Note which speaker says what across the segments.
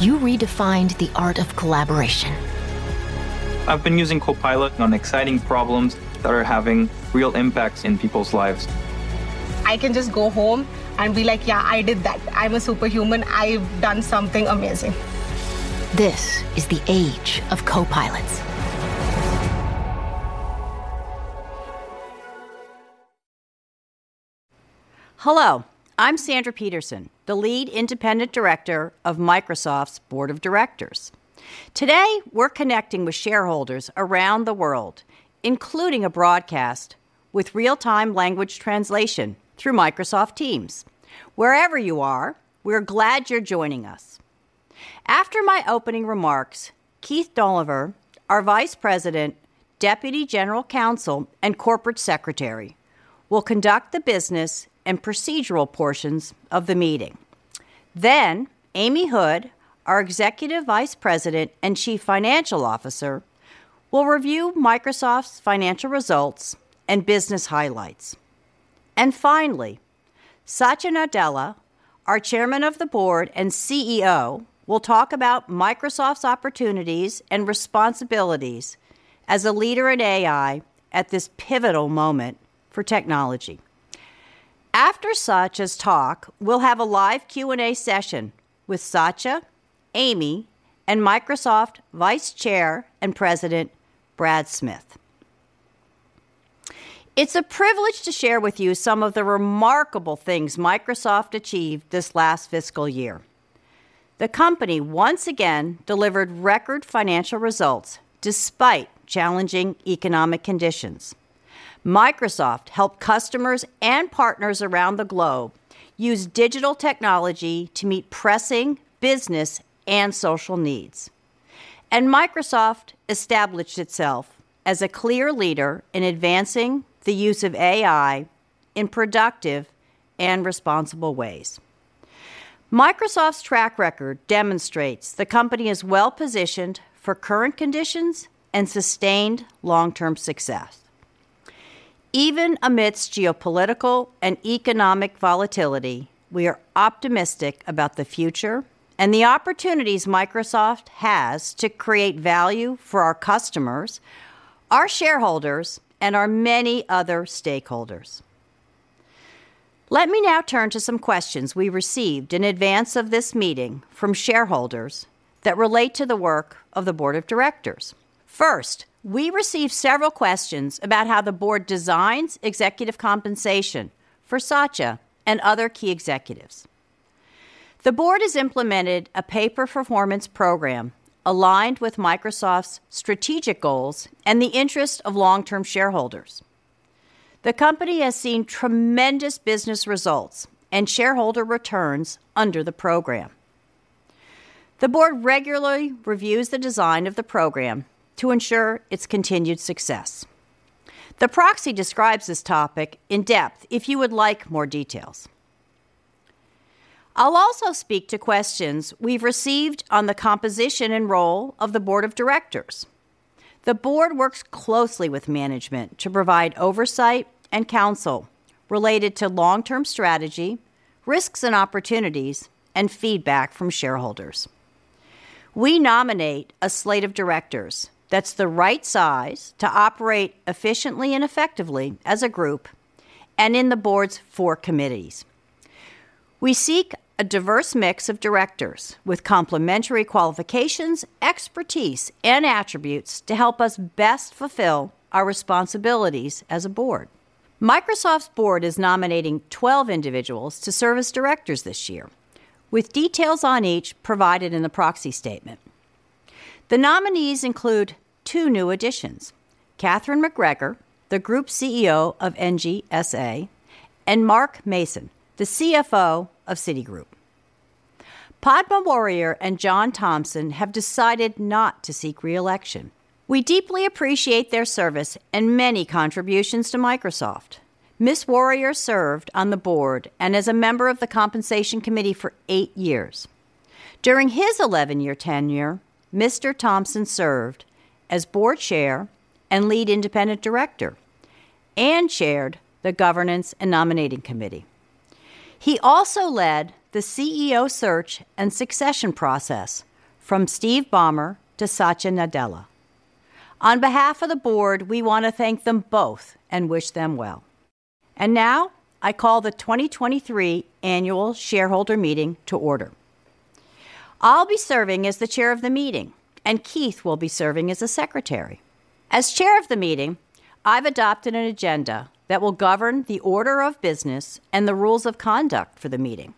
Speaker 1: Hello, I'm Sandra Peterson, the Lead Independent Director of Microsoft's Board of Directors. Today, we're connecting with shareholders around the world, including a broadcast with real-time language translation through Microsoft Teams. Wherever you are, we're glad you're joining us. After my opening remarks, Keith Dolliver, our Vice President, Deputy General Counsel, and Corporate Secretary, will conduct the business and procedural portions of the meeting. Then, Amy Hood, our Executive Vice President and Chief Financial Officer, will review Microsoft's financial results and business highlights. And finally, Satya Nadella, our Chairman of the Board and CEO, will talk about Microsoft's opportunities and responsibilities as a leader in AI at this pivotal moment for technology. After Satya's talk, we'll have a live Q&A session with Satya, Amy, and Microsoft Vice Chair and President, Brad Smith. It's a privilege to share with you some of the remarkable things Microsoft achieved this last fiscal year. The company once again delivered record financial results, despite challenging economic conditions. Microsoft helped customers and partners around the globe use digital technology to meet pressing business and social needs. Microsoft established itself as a clear leader in advancing the use of AI in productive and responsible ways. Microsoft's track record demonstrates the company is well-positioned for current conditions and sustained long-term success. Even amidst geopolitical and economic volatility, we are optimistic about the future and the opportunities Microsoft has to create value for our customers, our shareholders, and our many other stakeholders. Let me now turn to some questions we received in advance of this meeting from shareholders that relate to the work of the board of directors. First, we received several questions about how the board designs executive compensation for Satya and other key executives. The board has implemented a pay-for-performance program aligned with Microsoft's strategic goals and the interest of long-term shareholders. The company has seen tremendous business results and shareholder returns under the program. The board regularly reviews the design of the program to ensure its continued success. The proxy describes this topic in depth, if you would like more details. I'll also speak to questions we've received on the composition and role of the board of directors. The board works closely with management to provide oversight and counsel related to long-term strategy, risks and opportunities, and feedback from shareholders. We nominate a slate of directors that's the right size to operate efficiently and effectively as a group and in the board's four committees. We seek a diverse mix of directors with complementary qualifications, expertise, and attributes to help us best fulfill our responsibilities as a board. Microsoft's board is nominating 12 individuals to serve as directors this year, with details on each provided in the proxy statement. The nominees include two new additions: Catherine MacGregor, the Group CEO of ENGIE, and Mark Mason, the CFO of Citi. Padmasree Warrior and John Thompson have decided not to seek reelection. We deeply appreciate their service and many contributions to Microsoft. Ms. Warrior served on the board and as a member of the Compensation Committee for eight years. During his 11-year tenure, Mr. Thompson served as board chair and lead independent director and chaired the Governance and Nominating Committee. He also led the CEO search and succession process from Steve Ballmer to Satya Nadella. On behalf of the board, we want to thank them both and wish them well. Now, I call the 2023 Annual Shareholder Meeting to order. I'll be serving as the chair of the meeting, and Keith will be serving as the secretary. As chair of the meeting, I've adopted an agenda that will govern the order of business and the rules of conduct for the meeting.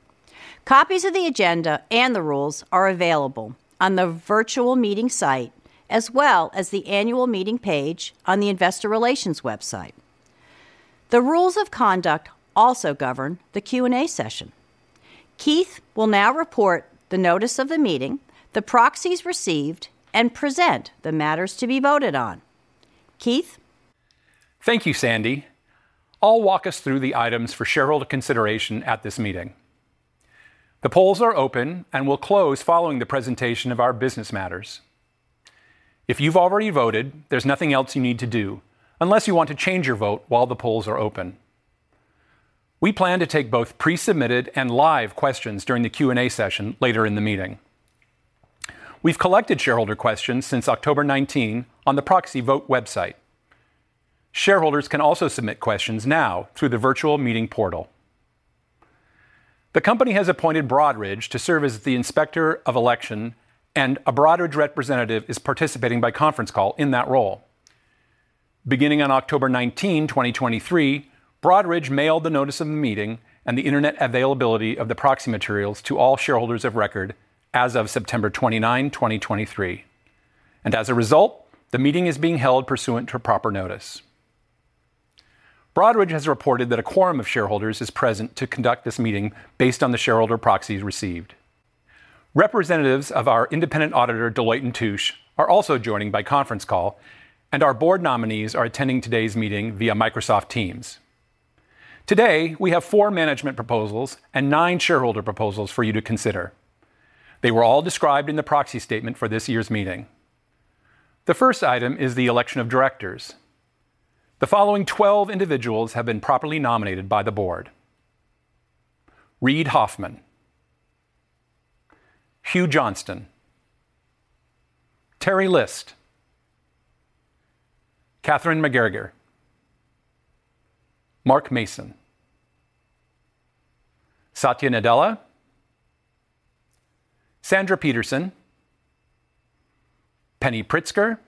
Speaker 1: Copies of the agenda and the rules are available on the virtual meeting site, as well as the annual meeting page on the investor relations website. The rules of conduct also govern the Q&A session. Keith will now report the notice of the meeting, the proxies received, and present the matters to be voted on. Keith?
Speaker 2: Thank you, Sandy. I'll walk us through the items for shareholder consideration at this meeting. The polls are open and will close following the presentation of our business matters. If you've already voted, there's nothing else you need to do, unless you want to change your vote while the polls are open. We plan to take both pre-submitted and live questions during the Q&A session later in the meeting. We've collected shareholder questions since October 19 on the proxy vote website. Shareholders can also submit questions now through the virtual meeting portal. The company has appointed Broadridge to serve as the inspector of election, and a Broadridge representative is participating by conference call in that role. Beginning on October 19, 2023, Broadridge mailed the notice of the meeting and the internet availability of the proxy materials to all shareholders of record as of September 29, 2023. And as a result, the meeting is being held pursuant to proper notice. Broadridge has reported that a quorum of shareholders is present to conduct this meeting based on the shareholder proxies received. Representatives of our independent auditor, Deloitte & Touche, are also joining by conference call, and our board nominees are attending today's meeting via Microsoft Teams. Today, we have four management proposals and nine shareholder proposals for you to consider. They were all described in the proxy statement for this year's meeting. The first item is the election of directors. The following twelve individuals have been properly nominated by the board: Reid Hoffman, Hugh Johnston, Teri List, Catherine MacGregor, Mark Mason, Satya Nadella, Sandra Peterson, Penny Pritzker,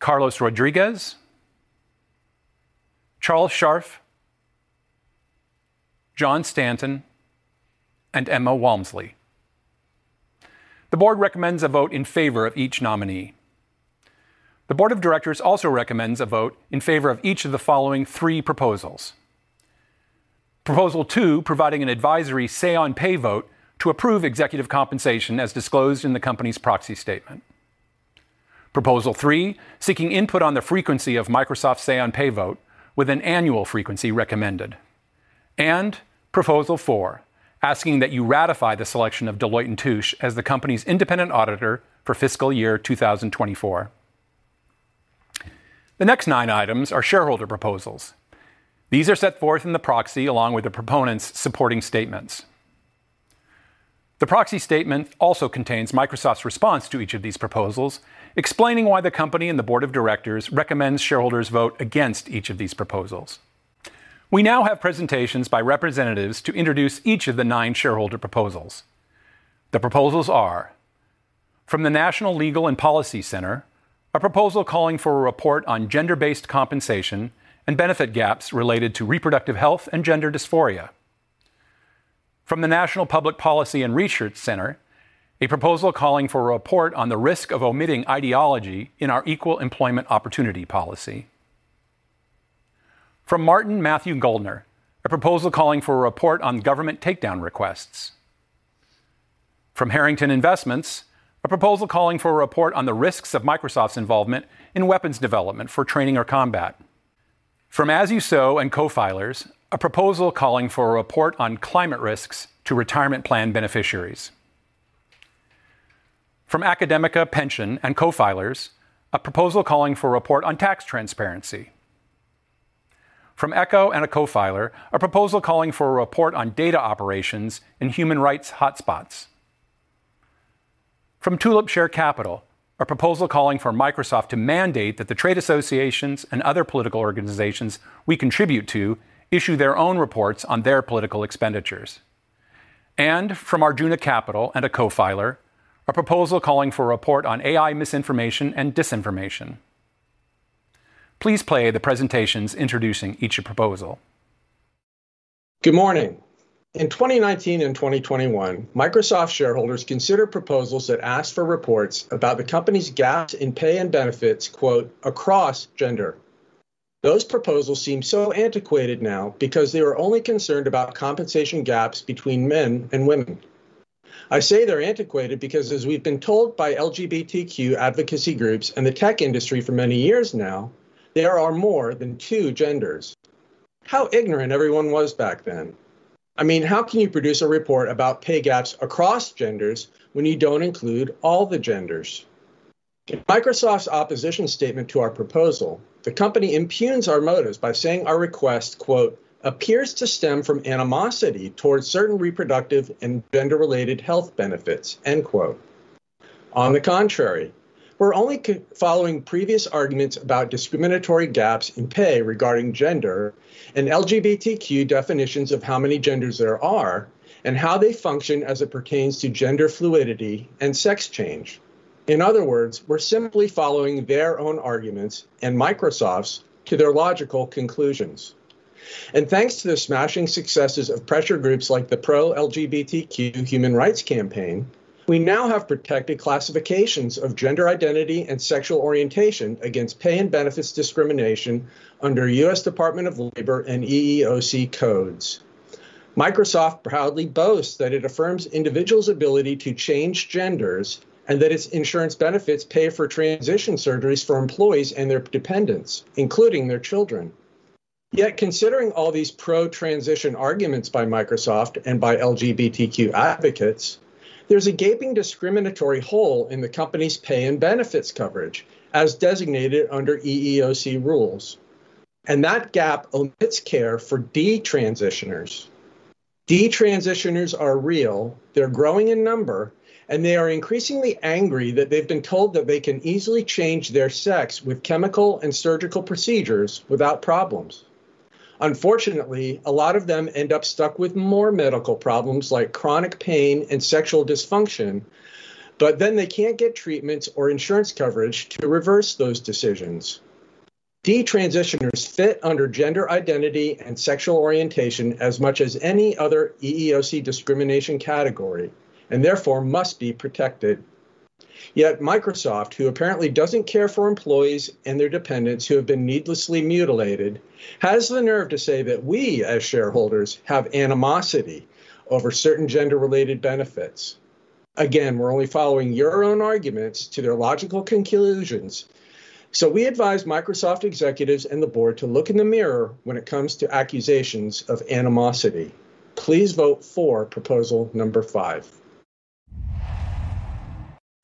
Speaker 2: Carlos Rodriguez, Charles Scharf, John Stanton, and Emma Walmsley. The board recommends a vote in favor of each nominee. The board of directors also recommends a vote in favor of each of the following three proposals. Proposal 2, providing an advisory say-on-pay vote to approve executive compensation as disclosed in the company's proxy statement. Proposal 3, seeking input on the frequency of Microsoft's say-on-pay vote with an annual frequency recommended. And proposal 4, asking that you ratify the selection of Deloitte & Touche as the company's independent auditor for fiscal year 2024. The next 9 items are shareholder proposals. These are set forth in the proxy, along with the proponents' supporting statements. The proxy statement also contains Microsoft's response to each of these proposals, explaining why the company and the board of directors recommends shareholders vote against each of these proposals. We now have presentations by representatives to introduce each of the nine shareholder proposals. The proposals are: from the National Legal and Policy Center, a proposal calling for a report on gender-based compensation and benefit gaps related to reproductive health and gender dysphoria. From the National Public Policy and Research Center, a proposal calling for a report on the risk of omitting ideology in our equal employment opportunity policy. From Martin Goldner, a proposal calling for a report on government takedown requests. From Harrington Investments, a proposal calling for a report on the risks of Microsoft's involvement in weapons development for training or combat. From As You Sow and co-filers, a proposal calling for a report on climate risks to retirement plan beneficiaries. From AkademikerPension and co-filers, a proposal calling for a report on tax transparency. From Ekō and a co-filer, a proposal calling for a report on data operations in human rights hotspots. From TulipShare Capital, a proposal calling for Microsoft to mandate that the trade associations and other political organizations we contribute to issue their own reports on their political expenditures. And from Arjuna Capital and a co-filer, a proposal calling for a report on AI misinformation and disinformation. Please play the presentations introducing each proposal....
Speaker 3: Good morning. In 2019 and 2021, Microsoft shareholders considered proposals that asked for reports about the company's gaps in pay and benefits, quote, "across gender." Those proposals seem so antiquated now because they were only concerned about compensation gaps between men and women. I say they're antiquated because as we've been told by LGBTQ advocacy groups and the tech industry for many years now, there are more than two genders. How ignorant everyone was back then! I mean, how can you produce a report about pay gaps across genders when you don't include all the genders? In Microsoft's opposition statement to our proposal, the company impugns our motives by saying our request, quote, "appears to stem from animosity towards certain reproductive and gender-related health benefits," end quote. On the contrary, we're only following previous arguments about discriminatory gaps in pay regarding gender and LGBTQ definitions of how many genders there are and how they function as it pertains to gender fluidity and sex change. In other words, we're simply following their own arguments, and Microsoft's, to their logical conclusions. And thanks to the smashing successes of pressure groups like the pro-LGBTQ Human Rights Campaign, we now have protected classifications of gender identity and sexual orientation against pay and benefits discrimination under U.S. Department of Labor and EEOC codes. Microsoft proudly boasts that it affirms individuals' ability to change genders and that its insurance benefits pay for transition surgeries for employees and their dependents, including their children. Yet, considering all these pro-transition arguments by Microsoft and by LGBTQ advocates, there's a gaping discriminatory hole in the company's pay and benefits coverage as designated under EEOC rules, and that gap omits care for detransitioners. Detransitioners are real, they're growing in number, and they are increasingly angry that they've been told that they can easily change their sex with chemical and surgical procedures without problems. Unfortunately, a lot of them end up stuck with more medical problems, like chronic pain and sexual dysfunction, but then they can't get treatments or insurance coverage to reverse those decisions. Detransitioners fit under gender identity and sexual orientation as much as any other EEOC discrimination category and therefore must be protected. Yet Microsoft, who apparently doesn't care for employees and their dependents who have been needlessly mutilated, has the nerve to say that we, as shareholders, have animosity over certain gender-related benefits. Again, we're only following your own arguments to their logical conclusions. So we advise Microsoft executives and the board to look in the mirror when it comes to accusations of animosity. Please vote for proposal number five.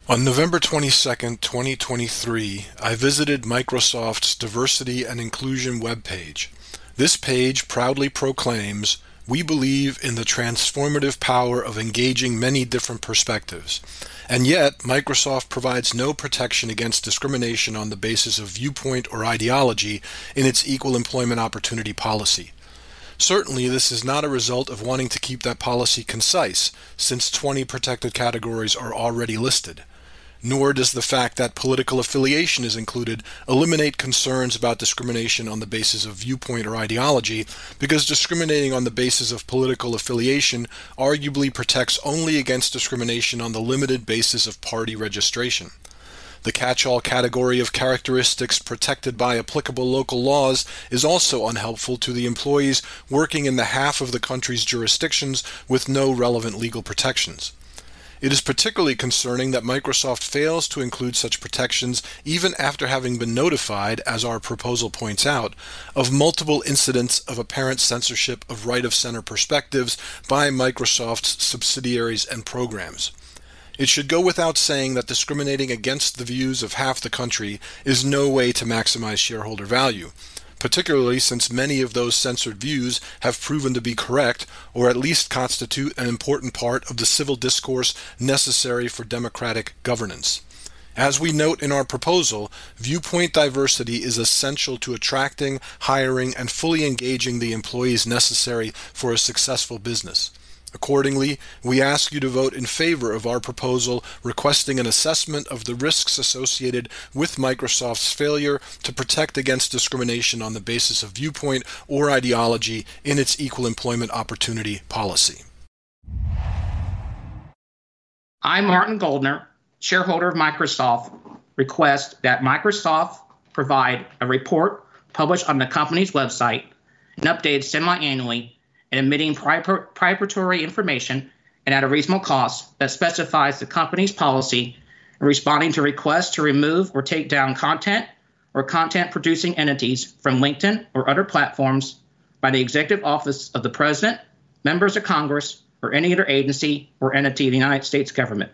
Speaker 3: On November 22, 2023, I visited Microsoft's Diversity and Inclusion webpage. This page proudly proclaims: "We believe in the transformative power of engaging many different perspectives." And yet, Microsoft provides no protection against discrimination on the basis of viewpoint or ideology in its equal employment opportunity policy. Certainly, this is not a result of wanting to keep that policy concise, since 20 protected categories are already listed. Nor does the fact that political affiliation is included eliminate concerns about discrimination on the basis of viewpoint or ideology, because discriminating on the basis of political affiliation arguably protects only against discrimination on the limited basis of party registration. The catch-all category of characteristics protected by applicable local laws is also unhelpful to the employees working in the half of the country's jurisdictions with no relevant legal protections. It is particularly concerning that Microsoft fails to include such protections even after having been notified, as our proposal points out, of multiple incidents of apparent censorship of right-of-center perspectives by Microsoft's subsidiaries and programs. It should go without saying that discriminating against the views of half the country is no way to maximize shareholder value, particularly since many of those censored views have proven to be correct or at least constitute an important part of the civil discourse necessary for democratic governance. As we note in our proposal, viewpoint diversity is essential to attracting, hiring, and fully engaging the employees necessary for a successful business. Accordingly, we ask you to vote in favor of our proposal, requesting an assessment of the risks associated with Microsoft's failure to protect against discrimination on the basis of viewpoint or ideology in its equal employment opportunity policy.
Speaker 4: I'm Martin Goldner, shareholder of Microsoft, request that Microsoft provide a report published on the company's website and updated semi-annually and omitting proprietary information and at a reasonable cost that specifies the company's policy in responding to requests to remove or take down content or content-producing entities from LinkedIn or other platforms by the executive office of the President, members of Congress, or any other agency or entity of the United States government.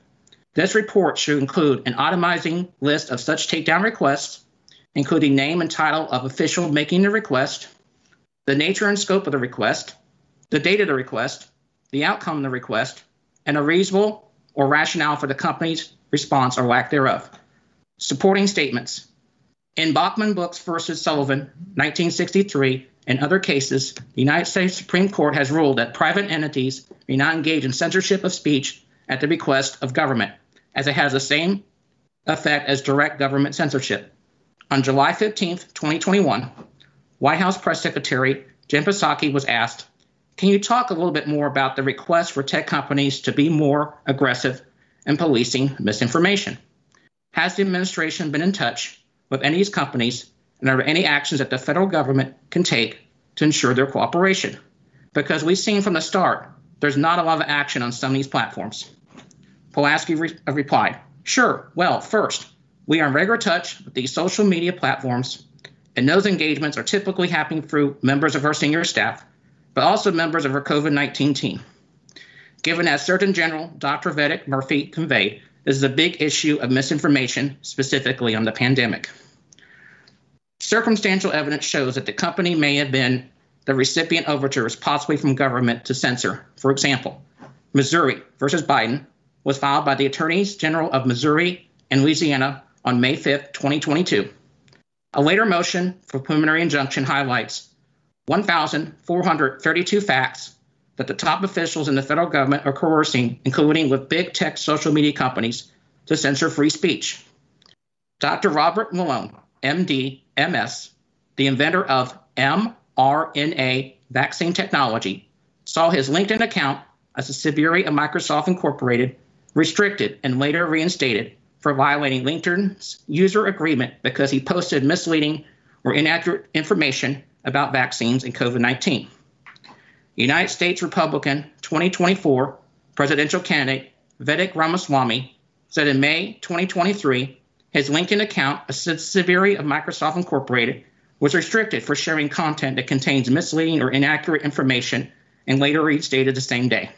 Speaker 4: This report should include an itemizing list of such takedown requests, including name and title of official making the request, the nature and scope of the request, the date of the request, the outcome of the request, and a reason or rationale for the company's response or lack thereof. Supporting statements: In Bantam Books v. Sullivan, 1963, and other cases, the United States Supreme Court has ruled that private entities may not engage in censorship of speech at the request of government, as it has the same effect as direct government censorship.... On July 15th, 2021, White House Press Secretary Jen Psaki was asked: "Can you talk a little bit more about the request for tech companies to be more aggressive in policing misinformation? Has the administration been in touch with any of these companies, and are there any actions that the federal government can take to ensure their cooperation? Because we've seen from the start, there's not a lot of action on some of these platforms." Psaki replied, "Sure. Well, first, we are in regular touch with these social media platforms, and those engagements are typically happening through members of our senior staff, but also members of our COVID-19 team. Given as Surgeon General Dr. Vivek Murthy conveyed, this is a big issue of misinformation, specifically on the pandemic." Circumstantial evidence shows that the company may have been the recipient of overtures, possibly from government, to censor. For example, Missouri versus Biden was filed by the Attorneys General of Missouri and Louisiana on May 5th, 2022. A later motion for preliminary injunction highlights 1,432 facts that the top officials in the federal government are coercing, including with big tech social media companies, to censor free speech. Dr. Robert Malone, MD, MS, the inventor of mRNA vaccine technology, saw his LinkedIn account, a subsidiary of Microsoft Corporation, restricted and later reinstated for violating LinkedIn's user agreement because he posted misleading or inaccurate information about vaccines and COVID-19. United States Republican 2024 presidential candidate, Vivek Ramaswamy, said in May 2023, his LinkedIn account, a subsidiary of Microsoft Corporation, was restricted for sharing content that contains misleading or inaccurate information, and later reinstated the same day.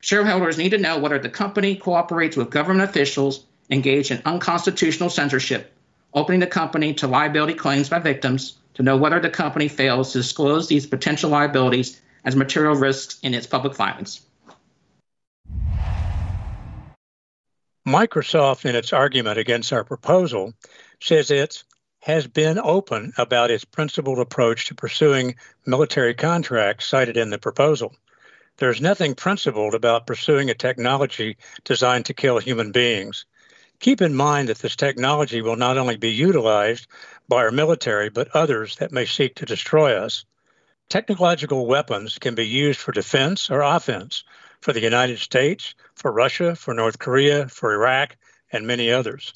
Speaker 4: Shareholders need to know whether the company cooperates with government officials engaged in unconstitutional censorship, opening the company to liability claims by victims, to know whether the company fails to disclose these potential liabilities as material risks in its public filings.
Speaker 5: Microsoft, in its argument against our proposal, says it "has been open about its principled approach to pursuing military contracts cited in the proposal." There's nothing principled about pursuing a technology designed to kill human beings. Keep in mind that this technology will not only be utilized by our military, but others that may seek to destroy us. Technological weapons can be used for defense or offense, for the United States, for Russia, for North Korea, for Iraq, and many others.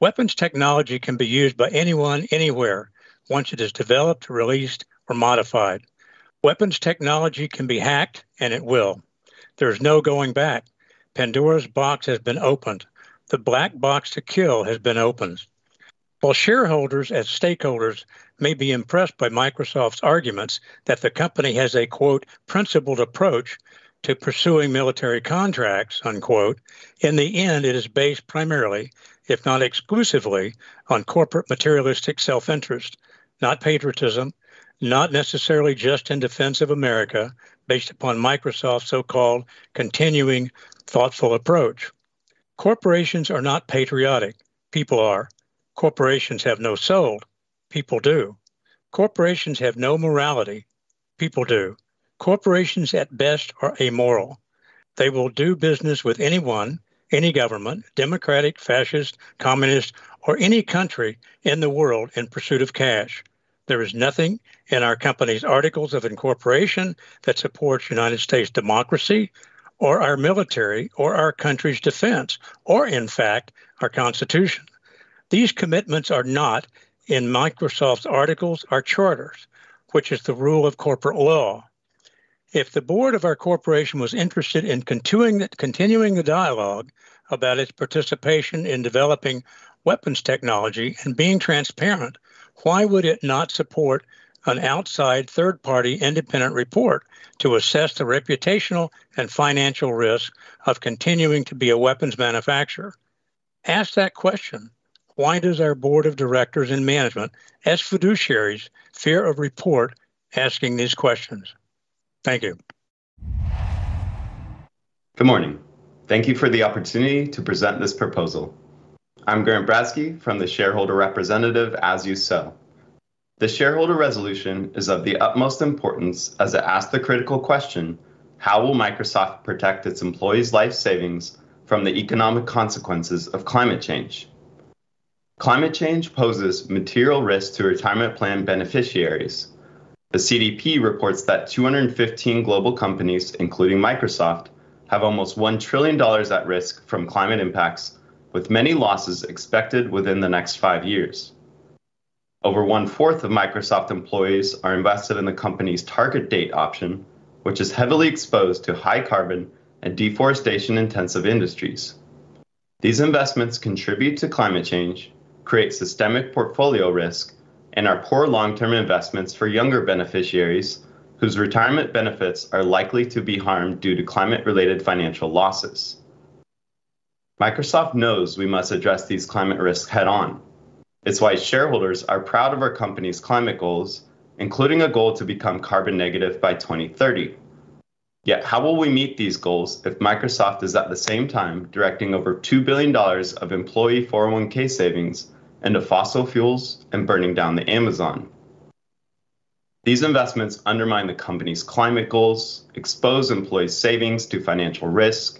Speaker 5: Weapons technology can be used by anyone, anywhere, once it is developed, released, or modified. Weapons technology can be hacked, and it will. There's no going back. Pandora's box has been opened. The black box to kill has been opened. While shareholders as stakeholders may be impressed by Microsoft's arguments that the company has a, quote, "principled approach to pursuing military contracts," unquote, in the end, it is based primarily, if not exclusively, on corporate materialistic self-interest, not patriotism, not necessarily just in defense of America, based upon Microsoft's so-called continuing thoughtful approach. Corporations are not patriotic. People are. Corporations have no soul. People do. Corporations have no morality. People do. Corporations, at best, are amoral. They will do business with anyone, any government, democratic, fascist, communist, or any country in the world in pursuit of cash. There is nothing in our company's articles of incorporation that supports United States democracy, or our military, or our country's defense, or, in fact, our Constitution. These commitments are not in Microsoft's articles or charters, which is the rule of corporate law. If the board of our corporation was interested in continuing the dialogue about its participation in developing weapons technology and being transparent, why would it not support an outside third-party independent report to assess the reputational and financial risk of continuing to be a weapons manufacturer? Ask that question: Why does our board of directors and management, as fiduciaries, fear a report asking these questions? Thank you.
Speaker 6: Good morning. Thank you for the opportunity to present this proposal. I'm Grant Bradski from the shareholder representative, As You Sow. The shareholder resolution is of the utmost importance as it asks the critical question: How will Microsoft protect its employees' life savings from the economic consequences of climate change? Climate change poses material risk to retirement plan beneficiaries. The CDP reports that 215 global companies, including Microsoft, have almost $1 trillion at risk from climate impacts, with many losses expected within the next five years. Over one-fourth of Microsoft employees are invested in the company's target date option, which is heavily exposed to high carbon and deforestation-intensive industries. These investments contribute to climate change, create systemic portfolio risk, and are poor long-term investments for younger beneficiaries whose retirement benefits are likely to be harmed due to climate-related financial losses. Microsoft knows we must address these climate risks head-on. It's why shareholders are proud of our company's climate goals, including a goal to become carbon negative by 2030. Yet, how will we meet these goals if Microsoft is, at the same time, directing over $2 billion of employee 401(k) savings into fossil fuels and burning down the Amazon?... These investments undermine the company's climate goals, expose employee savings to financial risk,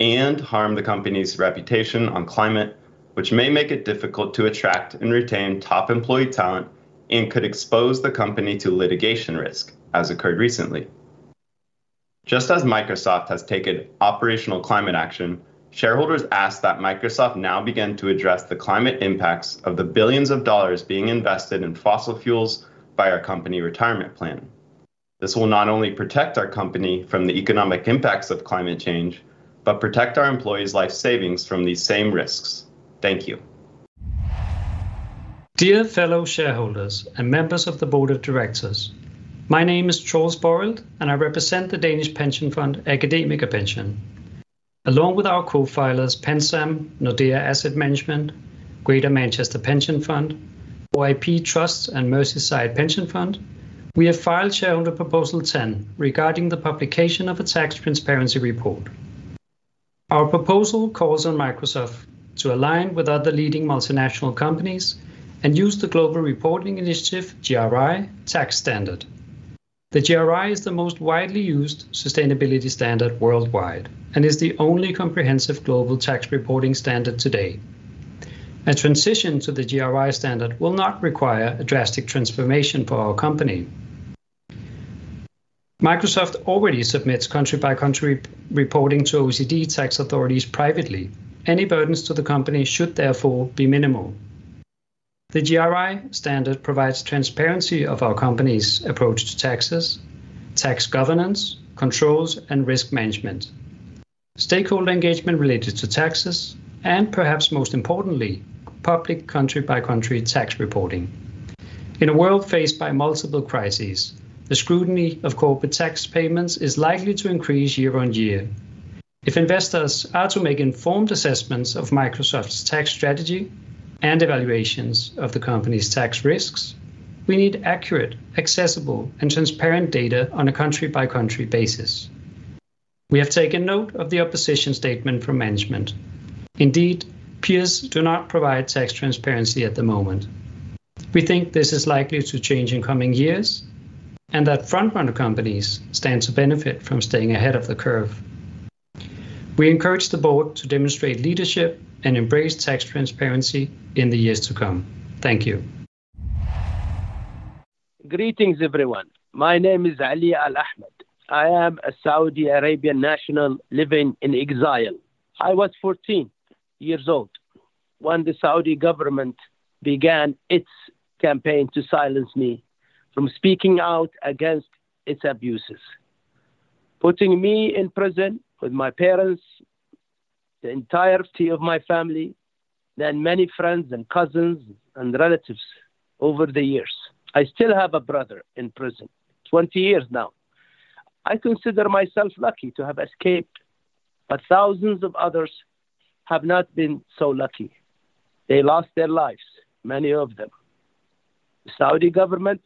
Speaker 6: and harm the company's reputation on climate, which may make it difficult to attract and retain top employee talent and could expose the company to litigation risk, as occurred recently. Just as Microsoft has taken operational climate action, shareholders ask that Microsoft now begin to address the climate impacts of the billions of dollars being invested in fossil fuels by our company retirement plan. This will not only protect our company from the economic impacts of climate change, but protect our employees' life savings from these same risks. Thank you. Dear fellow shareholders and members of the board of directors, my name is Troels Børrild, and I represent the Danish pension fund, AkademikerPension. Along with our co-filers, PenSam, Nordea Asset Management, Greater Manchester Pension Fund, YP Trust, and Merseyside Pension Fund, we have filed shareholder Proposal 10 regarding the publication of a tax transparency report. Our proposal calls on Microsoft to align with other leading multinational companies and use the Global Reporting Initiative, GRI, tax standard. The GRI is the most widely used sustainability standard worldwide and is the only comprehensive global tax reporting standard today. A transition to the GRI standard will not require a drastic transformation for our company. Microsoft already submits country-by-country reporting to OECD tax authorities privately. Any burdens to the company should therefore be minimal. The GRI standard provides transparency of our company's approach to taxes, tax governance, controls, and risk management, stakeholder engagement related to taxes, and perhaps most importantly, public country-by-country tax reporting. In a world faced by multiple crises, the scrutiny of corporate tax payments is likely to increase year-on-year. If investors are to make informed assessments of Microsoft's tax strategy and evaluations of the company's tax risks, we need accurate, accessible, and transparent data on a country-by-country basis. We have taken note of the opposition statement from management. Indeed, peers do not provide tax transparency at the moment. We think this is likely to change in coming years, and that front-runner companies stand to benefit from staying ahead of the curve. We encourage the board to demonstrate leadership and embrace tax transparency in the years to come. Thank you.
Speaker 7: Greetings, everyone. My name is Ali Al-Ahmed. I am a Saudi Arabian national living in exile. I was 14 years old when the Saudi government began its campaign to silence me from speaking out against its abuses, putting me in prison with my parents, the entirety of my family, then many friends and cousins and relatives over the years. I still have a brother in prison, 20 years now. I consider myself lucky to have escaped, but thousands of others have not been so lucky. They lost their lives, many of them. The Saudi government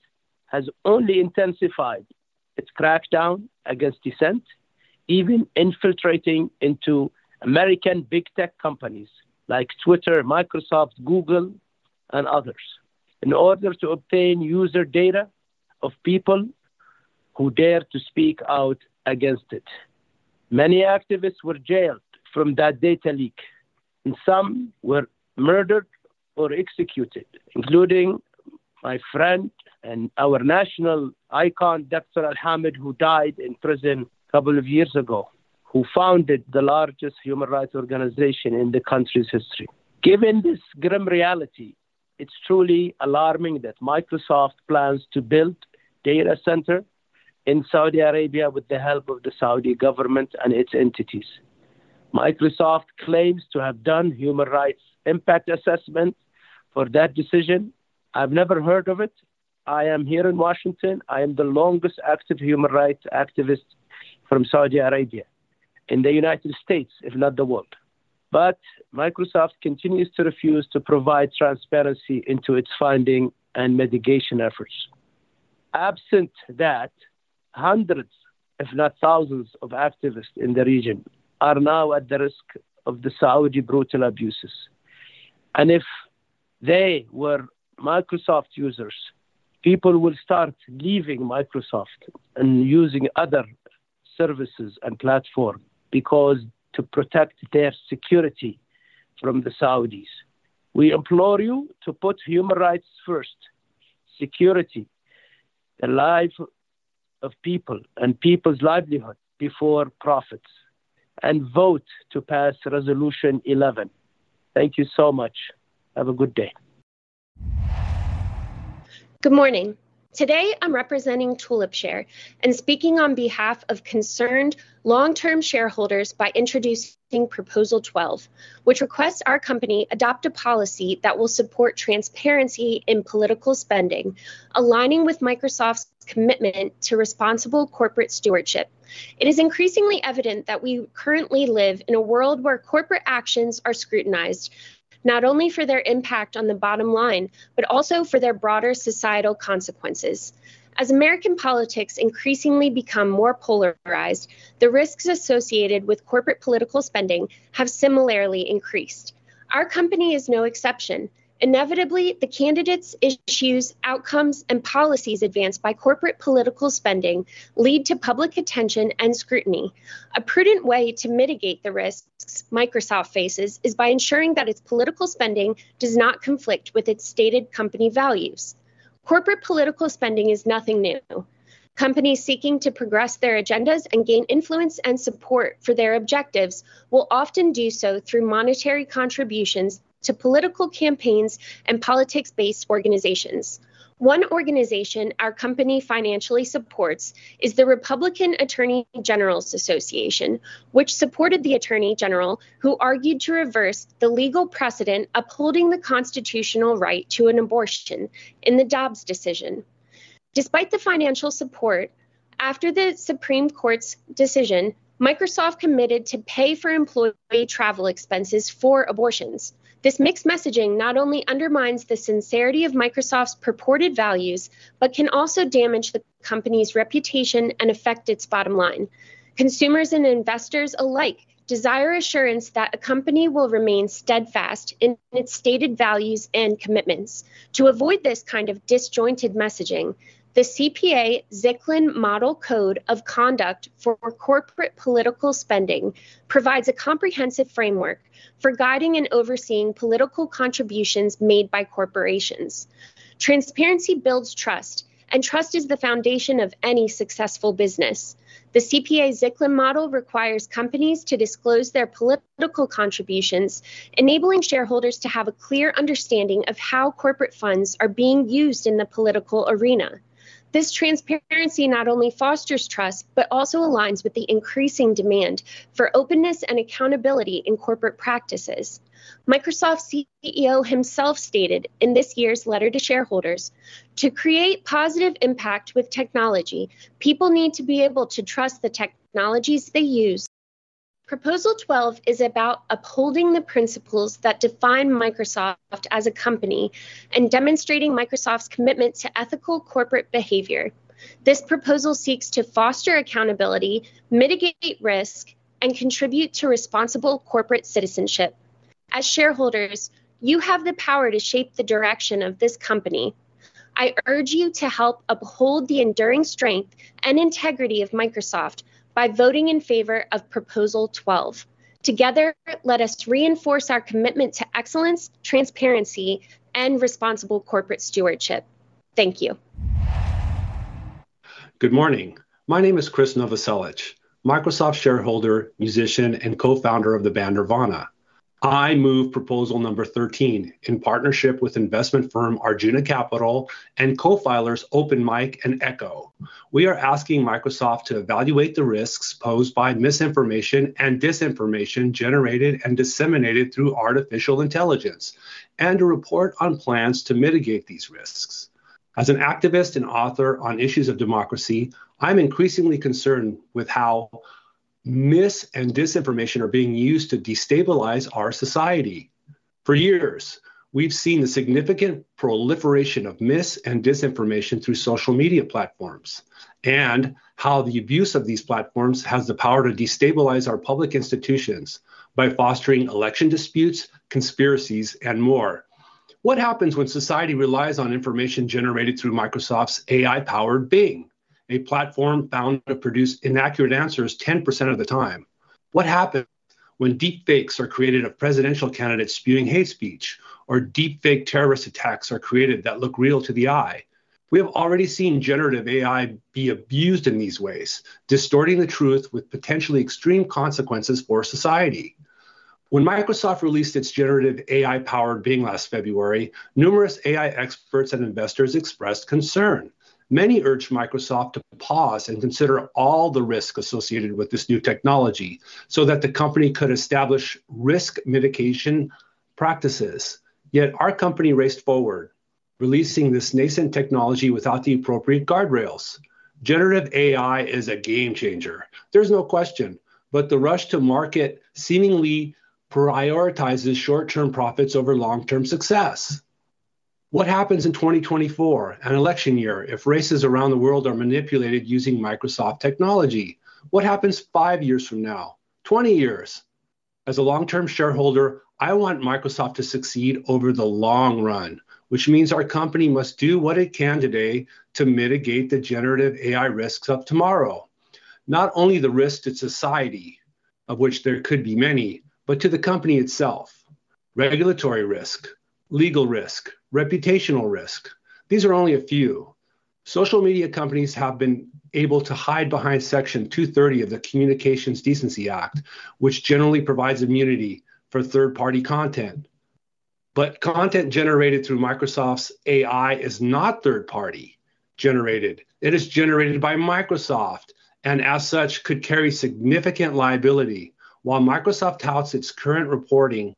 Speaker 7: has only intensified its crackdown against dissent, even infiltrating into American big tech companies like Twitter, Microsoft, Google, and others, in order to obtain user data of people who dare to speak out against it. Many activists were jailed from that data leak, and some were murdered or executed, including my friend and our national icon, Dr. Al-Hamid, who died in prison a couple of years ago, who founded the largest human rights organization in the country's history. Given this grim reality, it's truly alarming that Microsoft plans to build data center in Saudi Arabia with the help of the Saudi government and its entities. Microsoft claims to have done human rights impact assessments for that decision. I've never heard of it. I am here in Washington. I am the longest active human rights activist from Saudi Arabia in the United States, if not the world. But Microsoft continues to refuse to provide transparency into its finding and mitigation efforts. Absent that, hundreds, if not thousands, of activists in the region are now at the risk of the Saudi brutal abuses. If they were Microsoft users, people will start leaving Microsoft and using other services and platform because to protect their security from the Saudis. We implore you to put human rights first, security, the lives of people and people's livelihoods before profits, and vote to pass Resolution Eleven. Thank you so much. Have a good day.
Speaker 8: Good morning. Today, I'm representing TulipShare and speaking on behalf of concerned long-term shareholders by introducing Proposal Twelve, which requests our company adopt a policy that will support transparency in political spending, aligning with Microsoft's commitment to responsible corporate stewardship. It is increasingly evident that we currently live in a world where corporate actions are scrutinized, not only for their impact on the bottom line, but also for their broader societal consequences. As American politics increasingly become more polarized, the risks associated with corporate political spending have similarly increased. Our company is no exception. Inevitably, the candidates, issues, outcomes, and policies advanced by corporate political spending lead to public attention and scrutiny. A prudent way to mitigate the risks Microsoft faces is by ensuring that its political spending does not conflict with its stated company values. Corporate political spending is nothing new. Companies seeking to progress their agendas and gain influence and support for their objectives will often do so through monetary contributions to political campaigns and politics-based organizations. One organization our company financially supports is the Republican Attorney Generals Association, which supported the attorney general who argued to reverse the legal precedent upholding the constitutional right to an abortion in the Dobbs decision. Despite the financial support, after the Supreme Court's decision, Microsoft committed to pay for employee travel expenses for abortions. This mixed messaging not only undermines the sincerity of Microsoft's purported values, but can also damage the company's reputation and affect its bottom line. Consumers and investors alike desire assurance that a company will remain steadfast in its stated values and commitments. To avoid this kind of disjointed messaging, the CPA–Zicklin Model Code of Conduct for Corporate Political Spending provides a comprehensive framework for guiding and overseeing political contributions made by corporations. Transparency builds trust, and trust is the foundation of any successful business. The CPA–Zicklin Model requires companies to disclose their political contributions, enabling shareholders to have a clear understanding of how corporate funds are being used in the political arena. This transparency not only fosters trust, but also aligns with the increasing demand for openness and accountability in corporate practices. Microsoft's CEO himself stated in this year's letter to shareholders, "To create positive impact with technology, people need to be able to trust the technologies they use." Proposal 12 is about upholding the principles that define Microsoft as a company and demonstrating Microsoft's commitment to ethical corporate behavior. This proposal seeks to foster accountability, mitigate risk, and contribute to responsible corporate citizenship. As shareholders, you have the power to shape the direction of this company. I urge you to help uphold the enduring strength and integrity of Microsoft by voting in favor of proposal twelve. Together, let us reinforce our commitment to excellence, transparency, and responsible corporate stewardship. Thank you.
Speaker 9: Good morning. My name is Krist Novoselic, Microsoft shareholder, musician, and co-founder of the band Nirvana. I move proposal number 13 in partnership with investment firm Arjuna Capital and co-filers Open MIC and Ekō. We are asking Microsoft to evaluate the risks posed by misinformation and disinformation generated and disseminated through artificial intelligence, and to report on plans to mitigate these risks. As an activist and author on issues of democracy, I'm increasingly concerned with how mis- and disinformation are being used to destabilize our society. For years, we've seen the significant proliferation of mis- and disinformation through social media platforms, and how the abuse of these platforms has the power to destabilize our public institutions by fostering election disputes, conspiracies, and more. What happens when society relies on information generated through Microsoft's AI-powered Bing, a platform found to produce inaccurate answers 10% of the time? What happens when deepfakes are created of presidential candidates spewing hate speech, or deepfake terrorist attacks are created that look real to the eye? We have already seen generative AI be abused in these ways, distorting the truth with potentially extreme consequences for society. When Microsoft released its generative AI-powered Bing last February, numerous AI experts and investors expressed concern. Many urged Microsoft to pause and consider all the risks associated with this new technology, so that the company could establish risk mitigation practices. Yet our company raced forward, releasing this nascent technology without the appropriate guardrails. generative AI is a game changer, there's no question, but the rush to market seemingly prioritizes short-term profits over long-term success. What happens in 2024, an election year, if races around the world are manipulated using Microsoft technology? What happens five years from now? 20 years? As a long-term shareholder, I want Microsoft to succeed over the long run, which means our company must do what it can today to mitigate the generative AI risks of tomorrow. Not only the risk to society, of which there could be many, but to the company itself. Regulatory risk, legal risk, reputational risk: these are only a few. Social media companies have been able to hide behind Section 230 of the Communications Decency Act, which generally provides immunity for third-party content. But content generated through Microsoft's AI is not third-party generated, it is generated by Microsoft, and as such, could carry significant liability. While Microsoft touts its current reporting,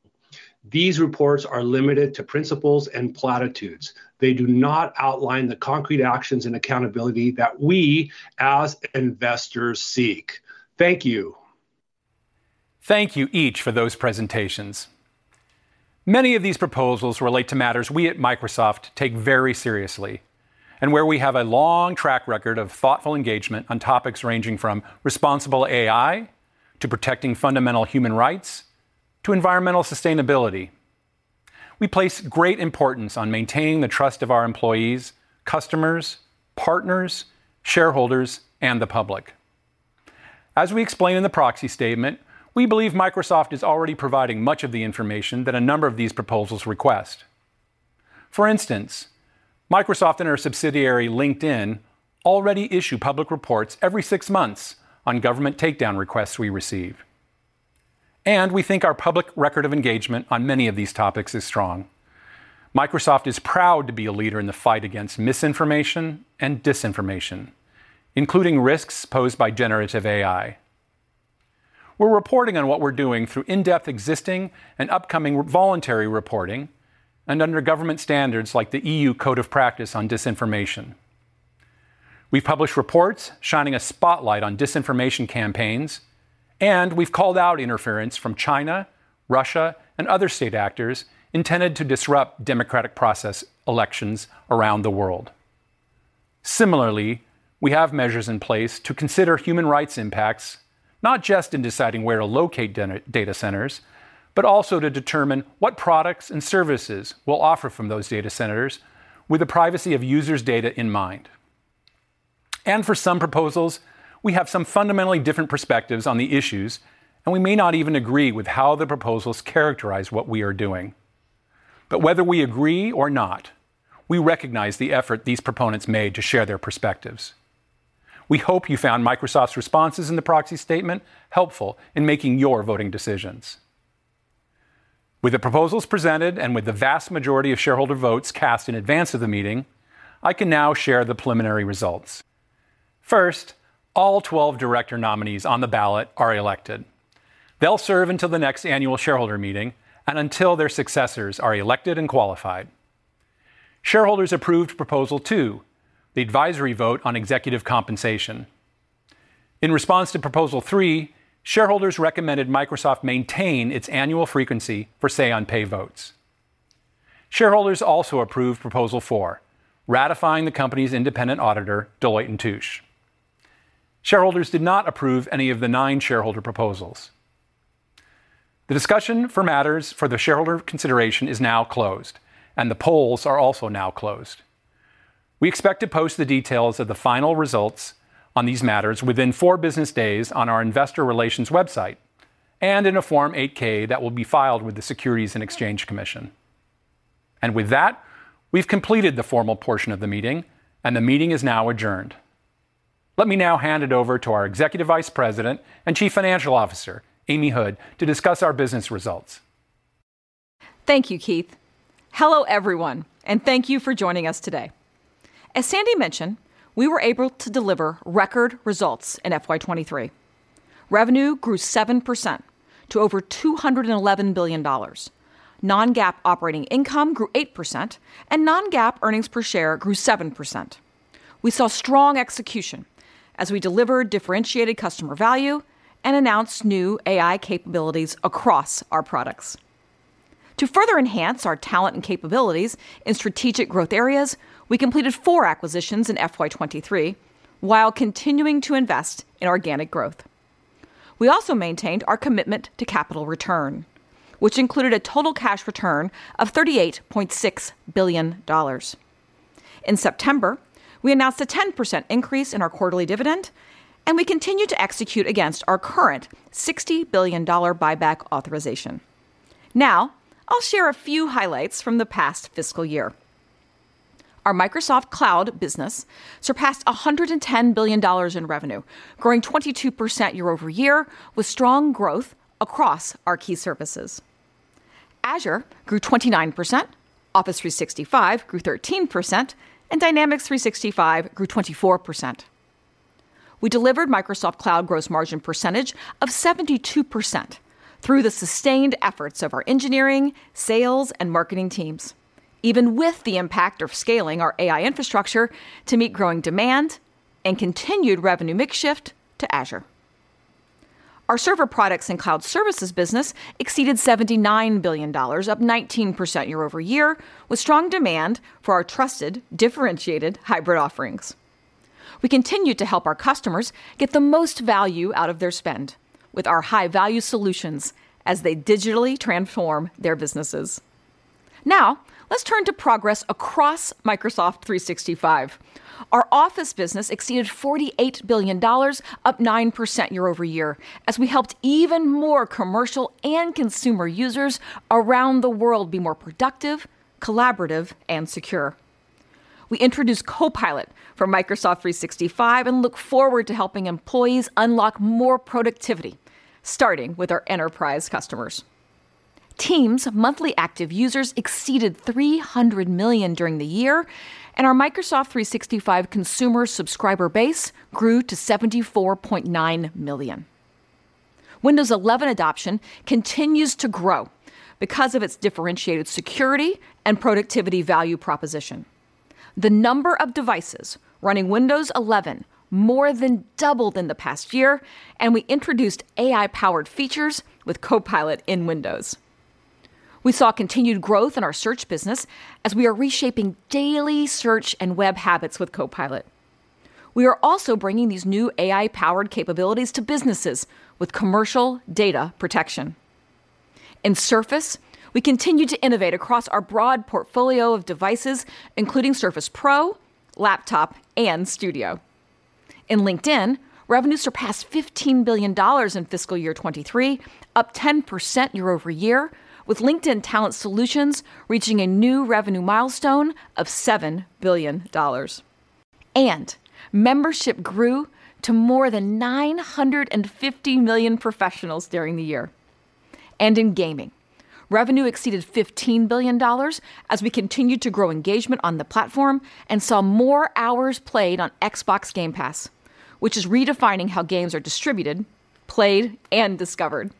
Speaker 9: these reports are limited to principles and platitudes. They do not outline the concrete actions and accountability that we as investors seek. Thank you.
Speaker 2: Thank you each for those presentations. Many of these proposals relate to matters we at Microsoft take very seriously, and where we have a long track record of thoughtful engagement on topics ranging from responsible AI to protecting fundamental human rights to environmental sustainability. We place great importance on maintaining the trust of our employees, customers, partners, shareholders, and the public. As we explain in the proxy statement, we believe Microsoft is already providing much of the information that a number of these proposals request. For instance, Microsoft and our subsidiary, LinkedIn, already issue public reports every six months on government takedown requests we receive. We think our public record of engagement on many of these topics is strong. Microsoft is proud to be a leader in the fight against misinformation and disinformation, including risks posed by generative AI. We're reporting on what we're doing through in-depth existing and upcoming voluntary reporting and under government standards like the EU Code of Practice on Disinformation. We've published reports shining a spotlight on disinformation campaigns, and we've called out interference from China, Russia, and other state actors intended to disrupt democratic process elections around the world. Similarly, we have measures in place to consider human rights impacts, not just in deciding where to locate data centers, but also to determine what products and services we'll offer from those data centers with the privacy of users' data in mind. For some proposals, we have some fundamentally different perspectives on the issues, and we may not even agree with how the proposals characterize what we are doing. Whether we agree or not, we recognize the effort these proponents made to share their perspectives. We hope you found Microsoft's responses in the proxy statement helpful in making your voting decisions. With the proposals presented and with the vast majority of shareholder votes cast in advance of the meeting, I can now share the preliminary results. First, all 12 director nominees on the ballot are elected. They'll serve until the next annual shareholder meeting and until their successors are elected and qualified. Shareholders approved Proposal 2, the advisory vote on executive compensation. In response to Proposal 3, shareholders recommended Microsoft maintain its annual frequency for say-on-pay votes. Shareholders also approved Proposal 4, ratifying the company's independent auditor, Deloitte & Touche. Shareholders did not approve any of the nine shareholder proposals. The discussion for matters for the shareholder consideration is now closed, and the polls are also now closed. We expect to post the details of the final results on these matters within four business days on our investor relations website and in a Form 8-K that will be filed with the Securities and Exchange Commission. With that, we've completed the formal portion of the meeting, and the meeting is now adjourned. Let me now hand it over to our Executive Vice President and Chief Financial Officer, Amy Hood, to discuss our business results.
Speaker 10: Thank you, Keith. Hello, everyone, and thank you for joining us today. As Sandy mentioned, we were able to deliver record results in FY 2023. Revenue grew 7% to over $211 billion. Non-GAAP operating income grew 8%, and non-GAAP earnings per share grew 7%. We saw strong execution as we delivered differentiated customer value and announced new AI capabilities across our products. To further enhance our talent and capabilities in strategic growth areas, we completed 4 acquisitions in FY 2023, while continuing to invest in organic growth. We also maintained our commitment to capital return, which included a total cash return of $38.6 billion. In September, we announced a 10% increase in our quarterly dividend, and we continue to execute against our current $60 billion buyback authorization. Now, I'll share a few highlights from the past fiscal year. Our Microsoft Cloud business surpassed $110 billion in revenue, growing 22% year-over-year, with strong growth across our key services. Azure grew 29%, Office 365 grew 13%, and Dynamics 365 grew 24%. We delivered Microsoft Cloud gross margin percentage of 72% through the sustained efforts of our engineering, sales, and marketing teams, even with the impact of scaling our AI infrastructure to meet growing demand and continued revenue mix shift to Azure. Our server products and cloud services business exceeded $79 billion, up 19% year-over-year, with strong demand for our trusted, differentiated hybrid offerings. We continued to help our customers get the most value out of their spend with our high-value solutions as they digitally transform their businesses. Now, let's turn to progress across Microsoft 365. Our office business exceeded $48 billion, up 9% year-over-year, as we helped even more commercial and consumer users around the world be more productive, collaborative, and secure. We introduced Copilot for Microsoft 365 and look forward to helping employees unlock more productivity, starting with our enterprise customers. Teams monthly active users exceeded 300 million during the year, and our Microsoft 365 consumer subscriber base grew to 74.9 million. Windows 11 adoption continues to grow because of its differentiated security and productivity value proposition. The number of devices running Windows 11 more than doubled in the past year, and we introduced AI-powered features with Copilot in Windows.... We saw continued growth in our search business as we are reshaping daily search and web habits with Copilot. We are also bringing these new AI-powered capabilities to businesses with commercial data protection. In Surface, we continue to innovate across our broad portfolio of devices, including Surface Pro, Laptop, and Studio. In LinkedIn, revenue surpassed $15 billion in fiscal year 2023, up 10% year-over-year, with LinkedIn Talent Solutions reaching a new revenue milestone of $7 billion, and membership grew to more than 950 million professionals during the year. In gaming, revenue exceeded $15 billion as we continued to grow engagement on the platform and saw more hours played on Xbox Game Pass, which is redefining how games are distributed, played, and discovered.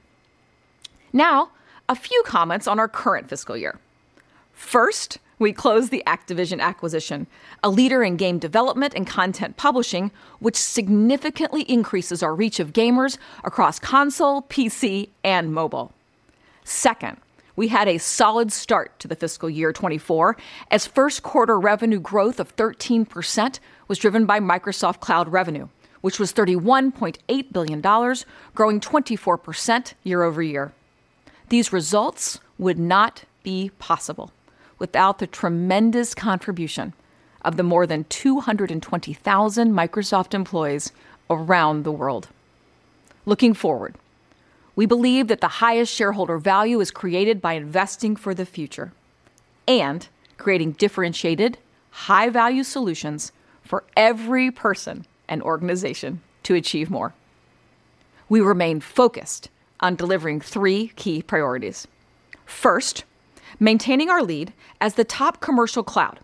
Speaker 10: Now, a few comments on our current fiscal year. First, we closed the Activision acquisition, a leader in game development and content publishing, which significantly increases our reach of gamers across console, PC, and mobile. Second, we had a solid start to the fiscal year 2024, as first quarter revenue growth of 13% was driven by Microsoft Cloud revenue, which was $31.8 billion, growing 24% year-over-year. These results would not be possible without the tremendous contribution of the more than 220,000 Microsoft employees around the world. Looking forward, we believe that the highest shareholder value is created by investing for the future and creating differentiated, high-value solutions for every person and organization to achieve more. We remain focused on delivering 3 key priorities. First, maintaining our lead as the top commercial cloud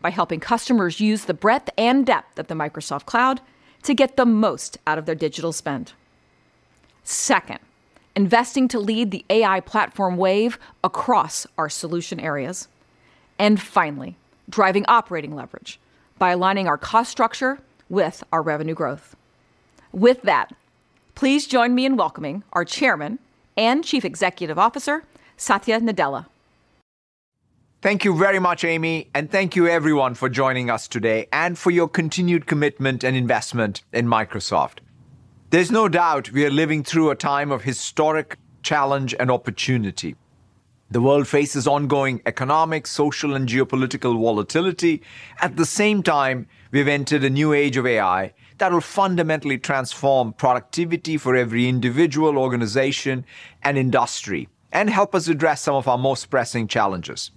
Speaker 10: by helping customers use the breadth and depth of the Microsoft Cloud to get the most out of their digital spend. Second, investing to lead the AI platform wave across our solution areas. And finally, driving operating leverage by aligning our cost structure with our revenue growth. With that, please join me in welcoming our Chairman and Chief Executive Officer, Satya Nadella.
Speaker 11: Thank you very much, Amy, and thank you everyone for joining us today and for your continued commitment and investment in Microsoft. There's no doubt we are living through a time of historic challenge and opportunity. The world faces ongoing economic, social, and geopolitical volatility. At the same time, we've entered a new age of AI that will fundamentally transform productivity for every individual, organization, and industry, and help us address some of our most pressing challenges.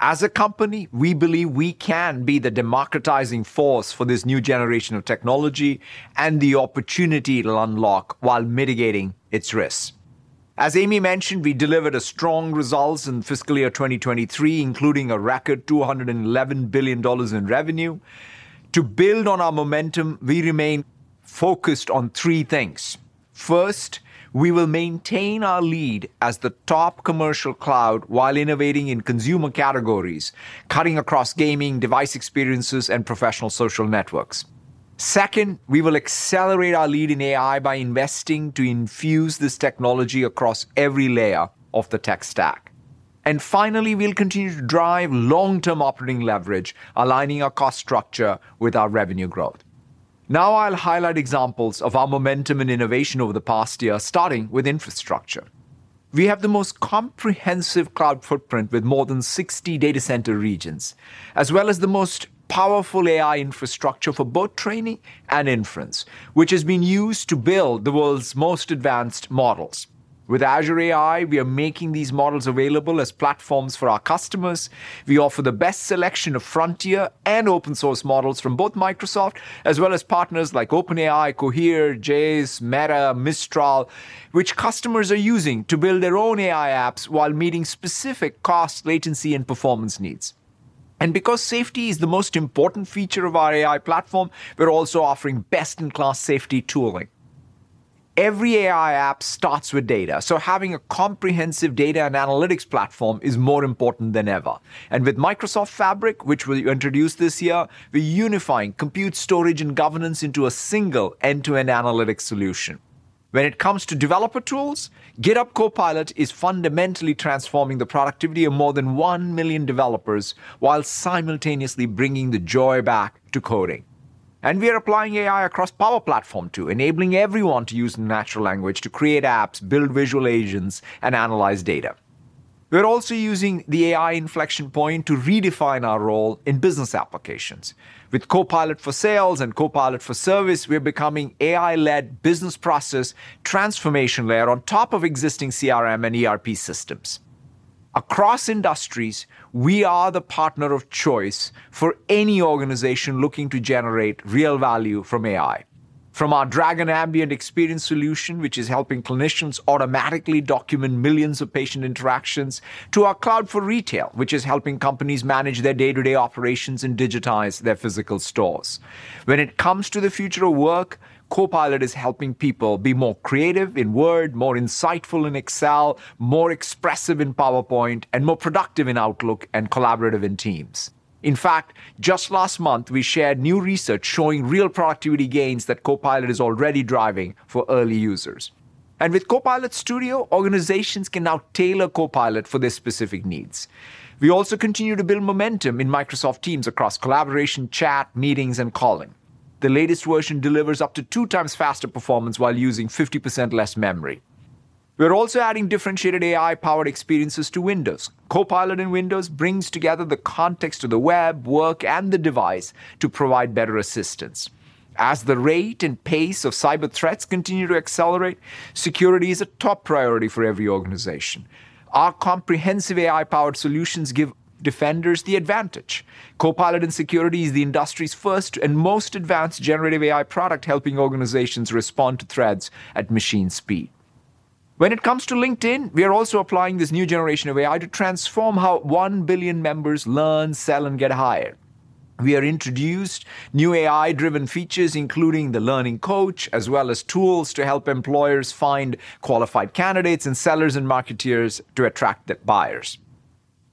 Speaker 11: As a company, we believe we can be the democratizing force for this new generation of technology and the opportunity it'll unlock while mitigating its risks. As Amy mentioned, we delivered a strong results in fiscal year 2023, including a record $211 billion in revenue. To build on our momentum, we remain focused on three things. First, we will maintain our lead as the top commercial cloud while innovating in consumer categories, cutting across gaming, device experiences, and professional social networks. Second, we will accelerate our lead in AI by investing to infuse this technology across every layer of the tech stack. And finally, we'll continue to drive long-term operating leverage, aligning our cost structure with our revenue growth. Now, I'll highlight examples of our momentum and innovation over the past year, starting with infrastructure. We have the most comprehensive cloud footprint, with more than 60 data center regions, as well as the most powerful AI infrastructure for both training and inference, which has been used to build the world's most advanced models. With Azure AI, we are making these models available as platforms for our customers. We offer the best selection of frontier and open-source models from both Microsoft as well as partners like OpenAI, Cohere, Jais, Meta, Mistral, which customers are using to build their own AI apps while meeting specific cost, latency, and performance needs. And because safety is the most important feature of our AI platform, we're also offering best-in-class safety tooling. Every AI app starts with data, so having a comprehensive data and analytics platform is more important than ever. And with Microsoft Fabric, which we introduced this year, we're unifying compute, storage, and governance into a single end-to-end analytic solution. When it comes to developer tools, GitHub Copilot is fundamentally transforming the productivity of more than 1 million developers while simultaneously bringing the joy back to coding. And we are applying AI across Power Platform, too, enabling everyone to use natural language to create apps, build virtual agents, and analyze data. We're also using the AI inflection point to redefine our role in business applications. With Copilot for Sales and Copilot for Service, we're becoming AI-led business process transformation layer on top of existing CRM and ERP systems. Across industries, we are the partner of choice for any organization looking to generate real value from AI. From our Dragon Ambient Experience solution, which is helping clinicians automatically document millions of patient interactions, to our Cloud for Retail, which is helping companies manage their day-to-day operations and digitize their physical stores. When it comes to the future of work, Copilot is helping people be more creative in Word, more insightful in Excel, more expressive in PowerPoint, and more productive in Outlook and collaborative in Teams. In fact, just last month, we shared new research showing real productivity gains that Copilot is already driving for early users... With Copilot Studio, organizations can now tailor Copilot for their specific needs. We also continue to build momentum in Microsoft Teams across collaboration, chat, meetings, and calling. The latest version delivers up to 2x faster performance while using 50% less memory. We are also adding differentiated AI-powered experiences to Windows. Copilot in Windows brings together the context of the web, work, and the device to provide better assistance. As the rate and pace of cyber threats continue to accelerate, security is a top priority for every organization. Our comprehensive AI-powered solutions give defenders the advantage. Copilot in Security is the industry's first and most advanced generative AI product, helping organizations respond to threats at machine speed. When it comes to LinkedIn, we are also applying this new generation of AI to transform how 1 billion members learn, sell, and get hired. We have introduced new AI-driven features, including the Learning Coach, as well as tools to help employers find qualified candidates and sellers and marketers to attract the buyers.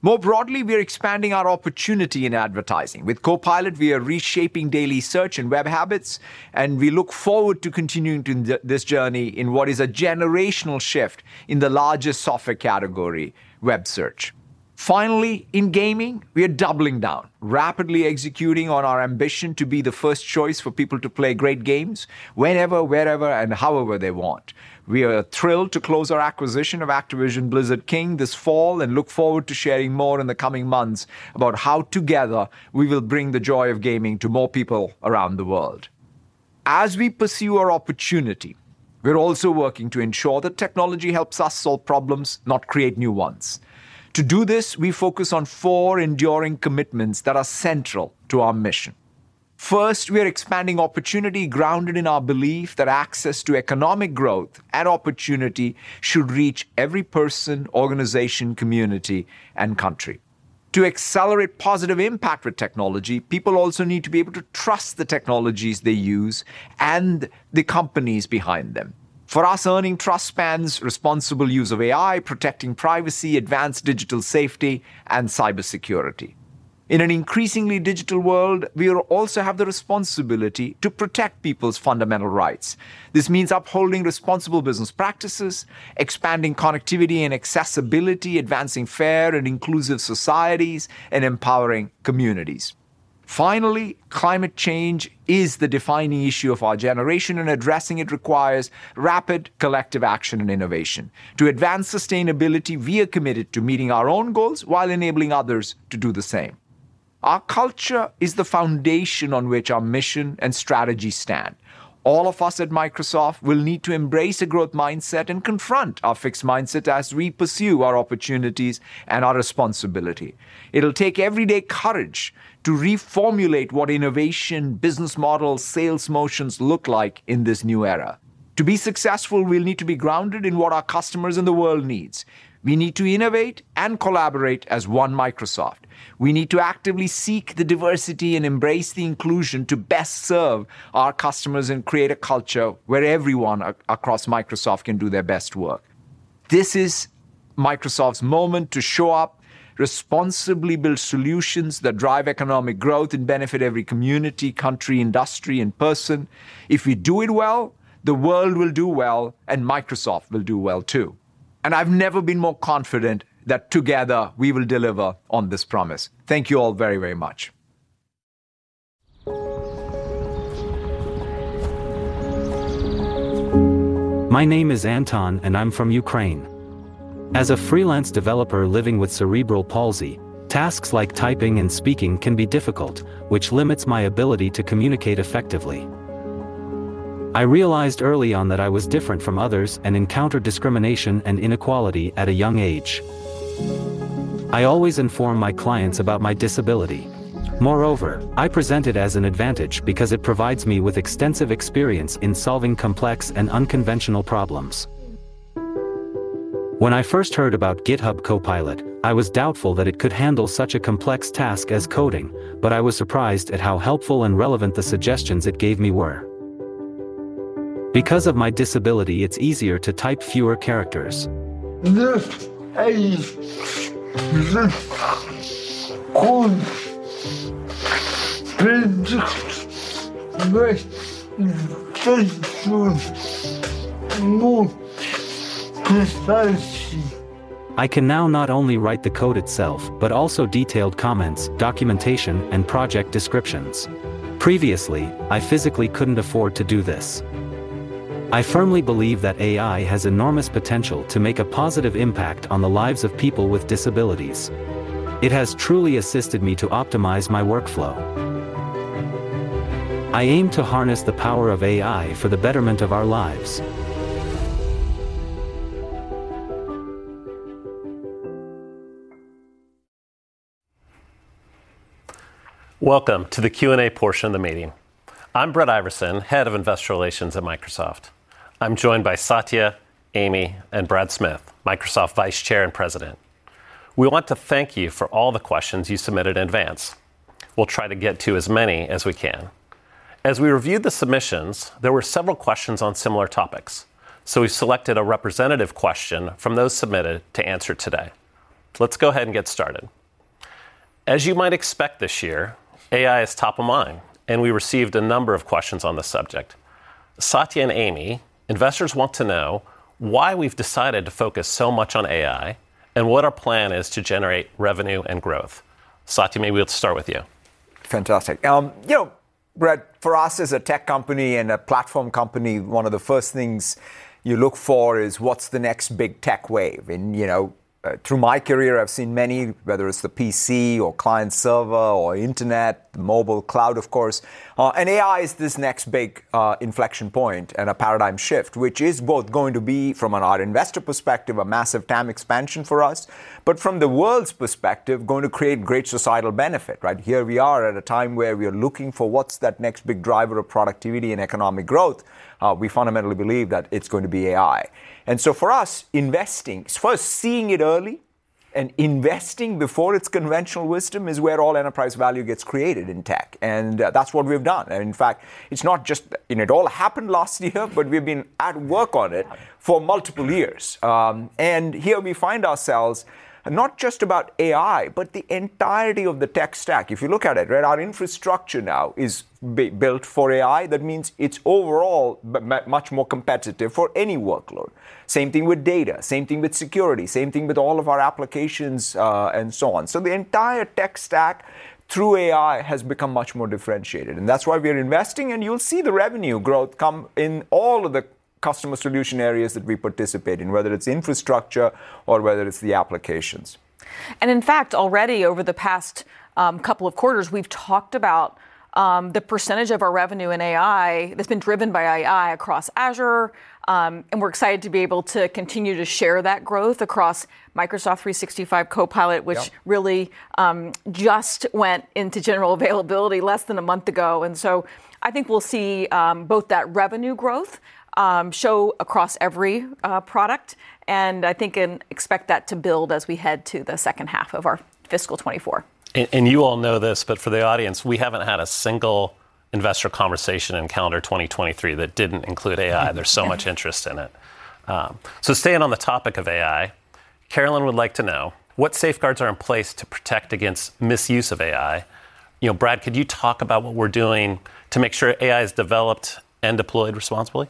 Speaker 11: More broadly, we are expanding our opportunity in advertising. With Copilot, we are reshaping daily search and web habits, and we look forward to continuing to this journey in what is a generational shift in the largest software category, web search. Finally, in gaming, we are doubling down, rapidly executing on our ambition to be the first choice for people to play great games whenever, wherever, and however they want. We are thrilled to close our acquisition of Activision Blizzard King this fall and look forward to sharing more in the coming months about how together we will bring the joy of gaming to more people around the world. As we pursue our opportunity, we're also working to ensure that technology helps us solve problems, not create new ones. To do this, we focus on four enduring commitments that are central to our mission. First, we are expanding opportunity, grounded in our belief that access to economic growth and opportunity should reach every person, organization, community, and country. To accelerate positive impact with technology, people also need to be able to trust the technologies they use and the companies behind them. For us, earning trust spans responsible use of AI, protecting privacy, advanced digital safety, and cybersecurity. In an increasingly digital world, we also have the responsibility to protect people's fundamental rights. This means upholding responsible business practices, expanding connectivity and accessibility, advancing fair and inclusive societies, and empowering communities. Finally, climate change is the defining issue of our generation, and addressing it requires rapid collective action and innovation. To advance sustainability, we are committed to meeting our own goals while enabling others to do the same. Our culture is the foundation on which our mission and strategy stand. All of us at Microsoft will need to embrace a growth mindset and confront our fixed mindset as we pursue our opportunities and our responsibility. It'll take everyday courage to reformulate what innovation, business models, sales motions look like in this new era. To be successful, we'll need to be grounded in what our customers and the world needs. We need to innovate and collaborate as one Microsoft. We need to actively seek the diversity and embrace the inclusion to best serve our customers and create a culture where everyone across Microsoft can do their best work. This is Microsoft's moment to show up, responsibly build solutions that drive economic growth and benefit every community, country, industry, and person. If we do it well, the world will do well, and Microsoft will do well, too. And I've never been more confident that together, we will deliver on this promise. Thank you all very, very much.
Speaker 12: My name is Anton, and I'm from Ukraine. As a freelance developer living with cerebral palsy, tasks like typing and speaking can be difficult, which limits my ability to communicate effectively. I realized early on that I was different from others and encountered discrimination and inequality at a young age. I always inform my clients about my disability. Moreover, I present it as an advantage because it provides me with extensive experience in solving complex and unconventional problems. When I first heard about GitHub Copilot, I was doubtful that it could handle such a complex task as coding, but I was surprised at how helpful and relevant the suggestions it gave me were. Because of my disability, it's easier to type fewer characters. I can now not only write the code itself, but also detailed comments, documentation, and project descriptions. Previously, I physically couldn't afford to do this. I firmly believe that AI has enormous potential to make a positive impact on the lives of people with disabilities. It has truly assisted me to optimize my workflow. I aim to harness the power of AI for the betterment of our lives.
Speaker 13: Welcome to the Q&A portion of the meeting. I'm Brett Iversen, head of Investor Relations at Microsoft. I'm joined by Satya, Amy, and Brad Smith, Microsoft Vice Chair and President. We want to thank you for all the questions you submitted in advance. We'll try to get to as many as we can. As we reviewed the submissions, there were several questions on similar topics, so we selected a representative question from those submitted to answer today. Let's go ahead and get started. As you might expect this year, AI is top of mind, and we received a number of questions on the subject. Satya and Amy, investors want to know why we've decided to focus so much on AI and what our plan is to generate revenue and growth. Satya, maybe we'll start with you.
Speaker 11: Fantastic. You know, Brad, for us as a tech company and a platform company, one of the first things you look for is what's the next big tech wave? And, you know, through my career, I've seen many, whether it's the PC or client-server or internet, mobile, cloud, of course, and AI is this next big inflection point and a paradigm shift, which is both going to be, from an odd investor perspective, a massive TAM expansion for us, but from the world's perspective, going to create great societal benefit, right? Here we are at a time where we are looking for what's that next big driver of productivity and economic growth. We fundamentally believe that it's going to be AI. And so for us, investing, it's first seeing it early and investing before it's conventional wisdom is where all enterprise value gets created in tech, and that's what we've done. And in fact, it's not just and it all happened last year, but we've been at work on it for multiple years. And here we find ourselves, and not just about AI, but the entirety of the tech stack. If you look at it, right, our infrastructure now is built for AI. That means it's overall but much more competitive for any workload. Same thing with data, same thing with security, same thing with all of our applications, and so on. The entire tech stack through AI has become much more differentiated, and that's why we are investing, and you'll see the revenue growth come in all of the customer solution areas that we participate in, whether it's infrastructure or whether it's the applications.
Speaker 10: In fact, already over the past couple of quarters, we've talked about the percentage of our revenue in AI that's been driven by AI across Azure. We're excited to be able to continue to share that growth across Microsoft 365 Copilot-
Speaker 11: Yep...
Speaker 10: which really just went into general availability less than a month ago. And so I think we'll see both that revenue growth show across every product, and I think and expect that to build as we head to the second half of our fiscal 2024.
Speaker 13: And you all know this, but for the audience, we haven't had a single investor conversation in calendar 2023 that didn't include AI. There's so much interest in it. So staying on the topic of AI, Carolyn would like to know, "What safeguards are in place to protect against misuse of AI?" You know, Brad, could you talk about what we're doing to make sure AI is developed and deployed responsibly?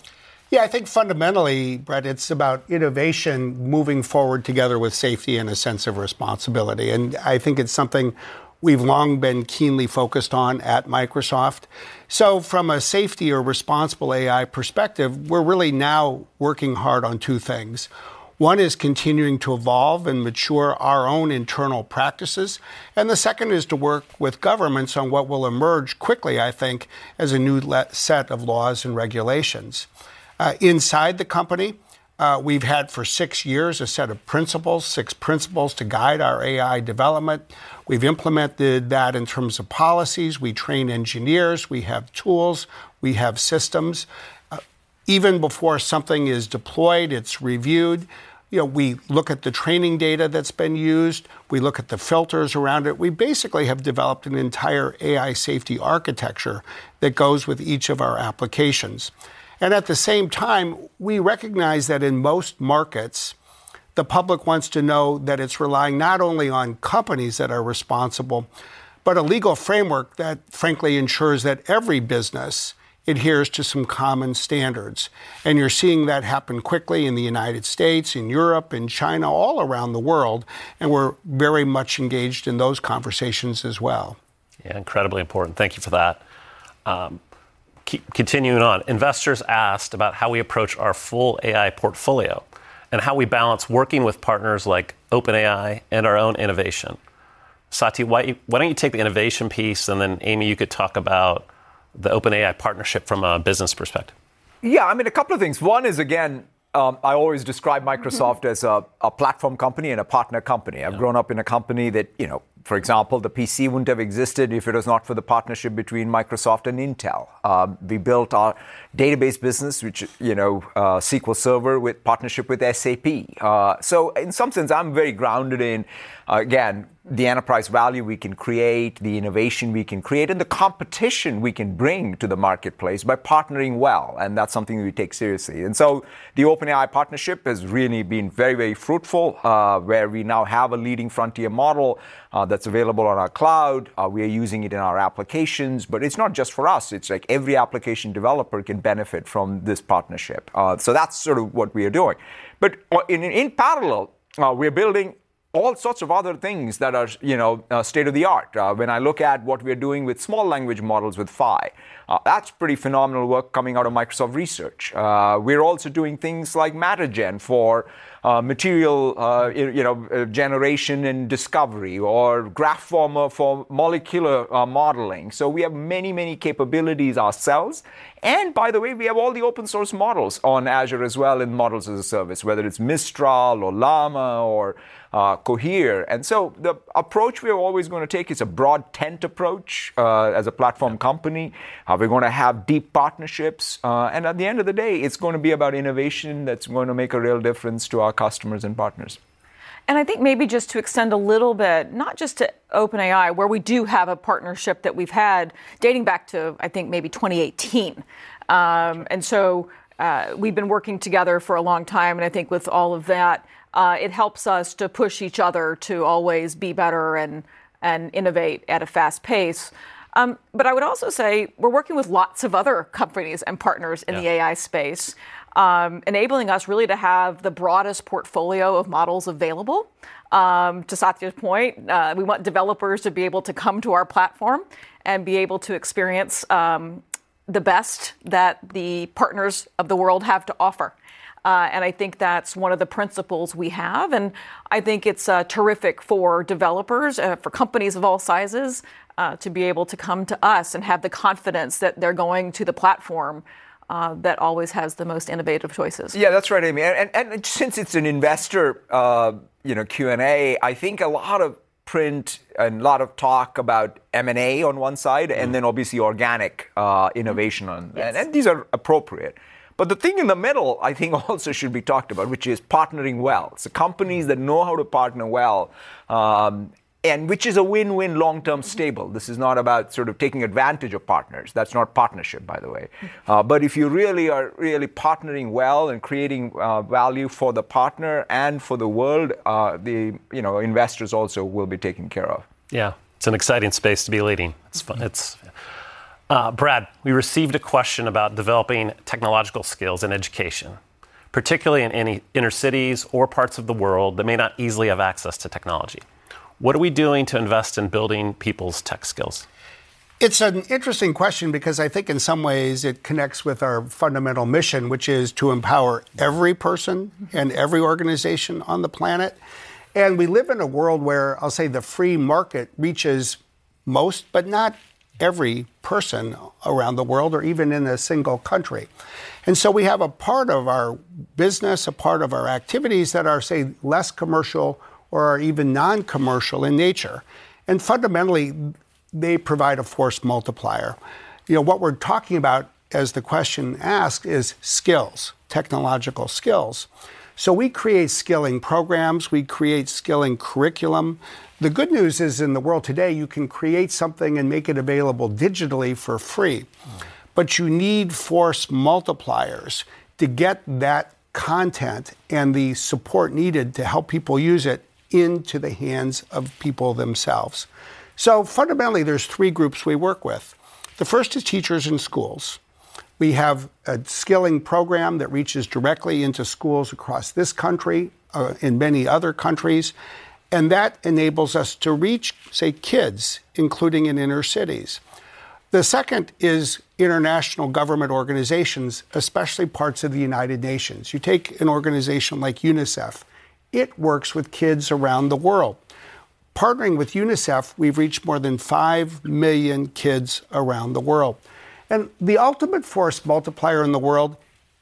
Speaker 14: Yeah, I think fundamentally, Brad, it's about innovation moving forward together with safety and a sense of responsibility, and I think it's something we've long been keenly focused on at Microsoft. So from a safety or responsible AI perspective, we're really now working hard on two things. One is continuing to evolve and mature our own internal practices, and the second is to work with governments on what will emerge quickly, I think, as a new legal set of laws and regulations. Inside the company, we've had for six years a set of principles, six principles to guide our AI development. We've implemented that in terms of policies. We train engineers. We have tools. We have systems. Even before something is deployed, it's reviewed. You know, we look at the training data that's been used. We look at the filters around it. We basically have developed an entire AI safety architecture that goes with each of our applications. And at the same time, we recognize that in most markets, the public wants to know that it's relying not only on companies that are responsible, but a legal framework that frankly ensures that every business adheres to some common standards. And you're seeing that happen quickly in the United States, in Europe, in China, all around the world, and we're very much engaged in those conversations as well.
Speaker 13: Yeah, incredibly important. Thank you for that. Continuing on, investors asked about how we approach our full AI portfolio and how we balance working with partners like OpenAI and our own innovation. Satya, why, why don't you take the innovation piece, and then Amy, you could talk about the OpenAI partnership from a business perspective.
Speaker 11: Yeah, I mean, a couple of things. One is, again, I always describe Microsoft-
Speaker 10: Mm-hmm...
Speaker 11: as a platform company and a partner company.
Speaker 13: Yeah.
Speaker 11: I've grown up in a company that, you know, for example, the PC wouldn't have existed if it was not for the partnership between Microsoft and Intel. We built our database business, which, you know, SQL Server, with partnership with SAP. So in some sense, I'm very grounded in, again, the enterprise value we can create, the innovation we can create, and the competition we can bring to the marketplace by partnering well, and that's something we take seriously. And so the OpenAI partnership has really been very, very fruitful, where we now have a leading frontier model, that's available on our cloud. We are using it in our applications, but it's not just for us. It's like every application developer can benefit from this partnership. So that's sort of what we are doing. But in parallel, we're building all sorts of other things that are, you know, state-of-the-art. When I look at what we're doing with small language models with Phi, that's pretty phenomenal work coming out of Microsoft Research. We're also doing things like MatterGen for material, you know, generation and discovery or Graphormer for molecular modeling. So we have many, many capabilities ourselves, and by the way, we have all the open source models on Azure as well in Models as a Service, whether it's Mistral or Llama or Cohere. And so the approach we are always going to take is a broad tent approach. As a platform company, we're going to have deep partnerships, and at the end of the day, it's going to be about innovation that's going to make a real difference to our customers and partners.
Speaker 10: And I think maybe just to extend a little bit, not just to OpenAI, where we do have a partnership that we've had dating back to, I think, maybe 2018. And so, we've been working together for a long time, and I think with all of that, it helps us to push each other to always be better and innovate at a fast pace. But I would also say we're working with lots of other companies and partners in the-
Speaker 11: Yeah...
Speaker 10: AI space, enabling us really to have the broadest portfolio of models available. To Satya's point, we want developers to be able to come to our platform and be able to experience the best that the partners of the world have to offer. And I think that's one of the principles we have, and I think it's terrific for developers, for companies of all sizes, to be able to come to us and have the confidence that they're going to the platform that always has the most innovative choices.
Speaker 11: Yeah, that's right, Amy. And since it's an investor, you know, Q&A, I think a lot of print and a lot of talk about M&A on one side-
Speaker 10: Mm...
Speaker 11: and then obviously organic innovation on-
Speaker 10: Yes.
Speaker 11: And these are appropriate. But the thing in the middle, I think, also should be talked about, which is partnering well. So companies that know how to partner well, and which is a win-win long-term stable. This is not about sort of taking advantage of partners. That's not partnership, by the way.
Speaker 10: Mm.
Speaker 11: But if you really are really partnering well and creating value for the partner and for the world, you know, investors also will be taken care of.
Speaker 13: Yeah, it's an exciting space to be leading. It's fun. It's... Brad, we received a question about developing technological skills and education, particularly in any inner cities or parts of the world that may not easily have access to technology. What are we doing to invest in building people's tech skills?
Speaker 14: It's an interesting question because I think in some ways it connects with our fundamental mission, which is to empower every person-
Speaker 13: Mm...
Speaker 14: and every organization on the planet. We live in a world where I'll say the free market reaches most, but not every person around the world or even in a single country. So we have a part of our business, a part of our activities that are, say, less commercial or are even non-commercial in nature, and fundamentally, they provide a force multiplier. You know, what we're talking about, as the question asked, is skills, technological skills. So we create skilling programs, we create skilling curriculum. The good news is, in the world today, you can create something and make it available digitally for free.
Speaker 13: Mm.
Speaker 14: But you need force multipliers to get that content and the support needed to help people use it into the hands of people themselves. So fundamentally, there's three groups we work with. The first is teachers in schools. We have a skilling program that reaches directly into schools across this country, and many other countries, and that enables us to reach, say, kids, including in inner cities. The second is international government organizations, especially parts of the United Nations. You take an organization like UNICEF. It works with kids around the world. Partnering with UNICEF, we've reached more than 5 million kids around the world, and the ultimate force multiplier in the world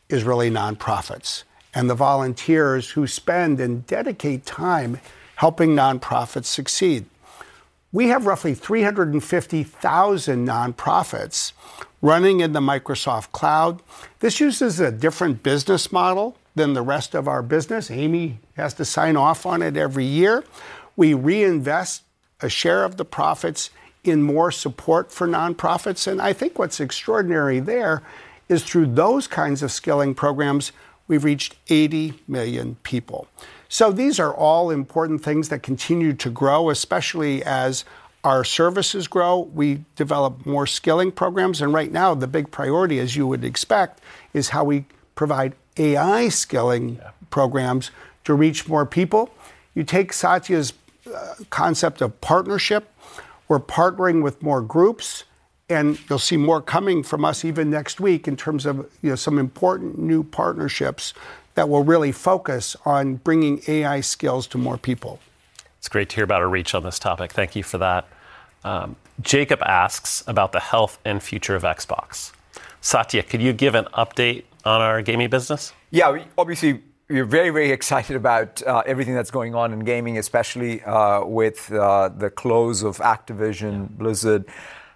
Speaker 14: is really nonprofits and the volunteers who spend and dedicate time helping nonprofits succeed. We have roughly 350,000 nonprofits running in the Microsoft Cloud. This uses a different business model than the rest of our business. Amy has to sign off on it every year. We reinvest a share of the profits in more support for nonprofits, and I think what's extraordinary there is, through those kinds of skilling programs, we've reached 80 million people. So these are all important things that continue to grow. Especially as our services grow, we develop more skilling programs, and right now the big priority, as you would expect, is how we provide AI skilling-
Speaker 13: Yeah...
Speaker 14: programs to reach more people. You take Satya's concept of partnership, we're partnering with more groups, and you'll see more coming from us even next week in terms of, you know, some important new partnerships that will really focus on bringing AI skills to more people.
Speaker 13: It's great to hear about our reach on this topic. Thank you for that. Jacob asks about the health and future of Xbox. Satya, could you give an update on our gaming business?
Speaker 11: Yeah, obviously, we're very, very excited about everything that's going on in gaming, especially with the close of Activision Blizzard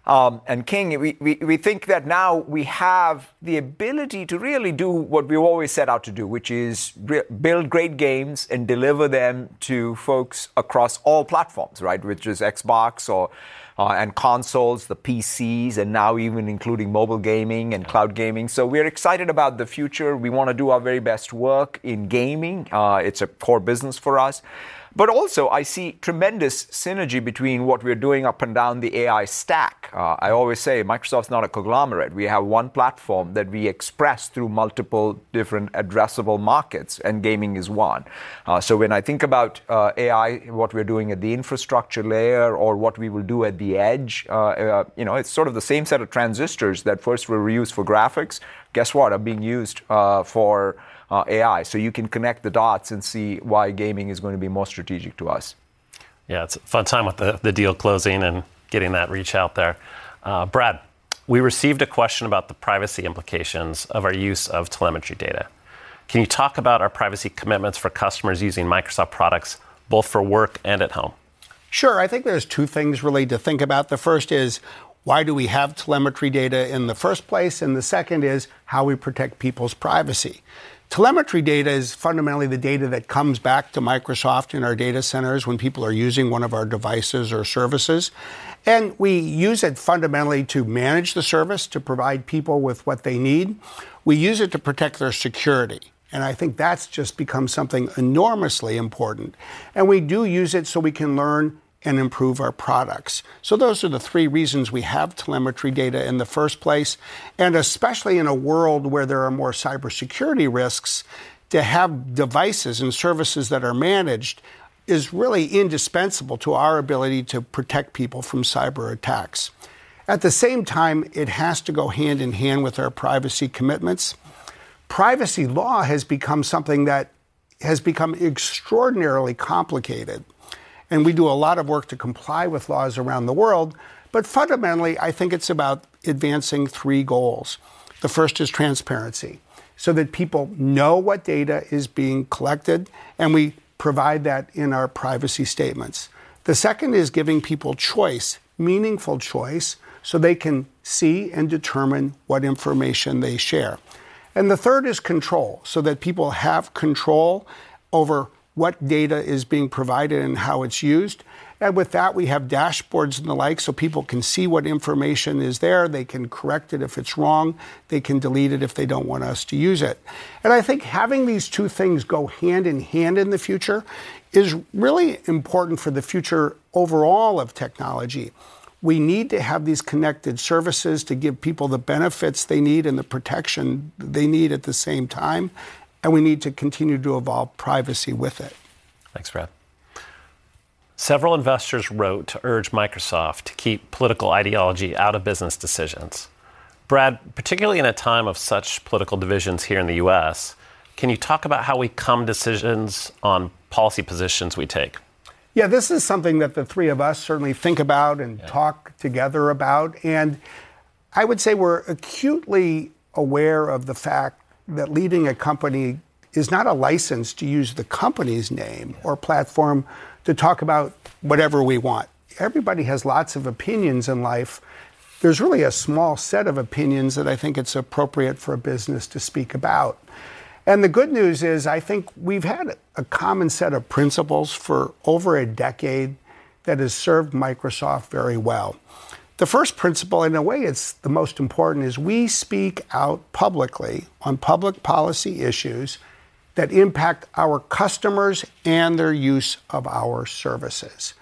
Speaker 11: and King. We think that now we have the ability to really do what we always set out to do, which is rebuild great games and deliver them to folks across all platforms, right? Which is Xbox and consoles, the PCs, and now even including mobile gaming and cloud gaming. So we're excited about the future. We wanna do our very best work in gaming. It's a core business for us, but also I see tremendous synergy between what we're doing up and down the AI stack. I always say Microsoft's not a conglomerate. We have one platform that we express through multiple different addressable markets, and gaming is one. So when I think about AI, what we're doing at the infrastructure layer or what we will do at the edge, you know, it's sort of the same set of transistors that first were used for graphics, guess what? Are being used for AI. So you can connect the dots and see why gaming is going to be more strategic to us.
Speaker 13: Yeah, it's a fun time with the deal closing and getting that reach out there. Brad, we received a question about the privacy implications of our use of telemetry data. Can you talk about our privacy commitments for customers using Microsoft products, both for work and at home?...
Speaker 14: Sure, I think there's two things really to think about. The first is, why do we have telemetry data in the first place? And the second is, how we protect people's privacy. Telemetry data is fundamentally the data that comes back to Microsoft in our data centers when people are using one of our devices or services, and we use it fundamentally to manage the service, to provide people with what they need. We use it to protect their security, and I think that's just become something enormously important, and we do use it so we can learn and improve our products. So those are the three reasons we have telemetry data in the first place, and especially in a world where there are more cybersecurity risks, to have devices and services that are managed is really indispensable to our ability to protect people from cyberattacks. At the same time, it has to go hand in hand with our privacy commitments. Privacy law has become something that has become extraordinarily complicated, and we do a lot of work to comply with laws around the world. But fundamentally, I think it's about advancing three goals. The first is transparency, so that people know what data is being collected, and we provide that in our privacy statements. The second is giving people choice, meaningful choice, so they can see and determine what information they share. And the third is control, so that people have control over what data is being provided and how it's used, and with that, we have dashboards and the like, so people can see what information is there. They can correct it if it's wrong. They can delete it if they don't want us to use it. I think having these two things go hand in hand in the future is really important for the future overall of technology. We need to have these connected services to give people the benefits they need and the protection they need at the same time, and we need to continue to evolve privacy with it.
Speaker 13: Thanks, Brad. Several investors wrote to urge Microsoft to keep political ideology out of business decisions. Brad, particularly in a time of such political divisions here in the U.S., can you talk about how we come to decisions on policy positions we take?
Speaker 14: Yeah, this is something that the three of us certainly think about-
Speaker 13: Yeah...
Speaker 14: and talk together about. I would say we're acutely aware of the fact that leading a company is not a license to use the company's name-
Speaker 13: Yeah...
Speaker 14: or platform to talk about whatever we want. Everybody has lots of opinions in life. There's really a small set of opinions that I think it's appropriate for a business to speak about. The good news is, I think we've had a common set of principles for over a decade that has served Microsoft very well. The first principle, in a way, it's the most important, is we speak out publicly on public policy issues that impact our customers and their use of our services.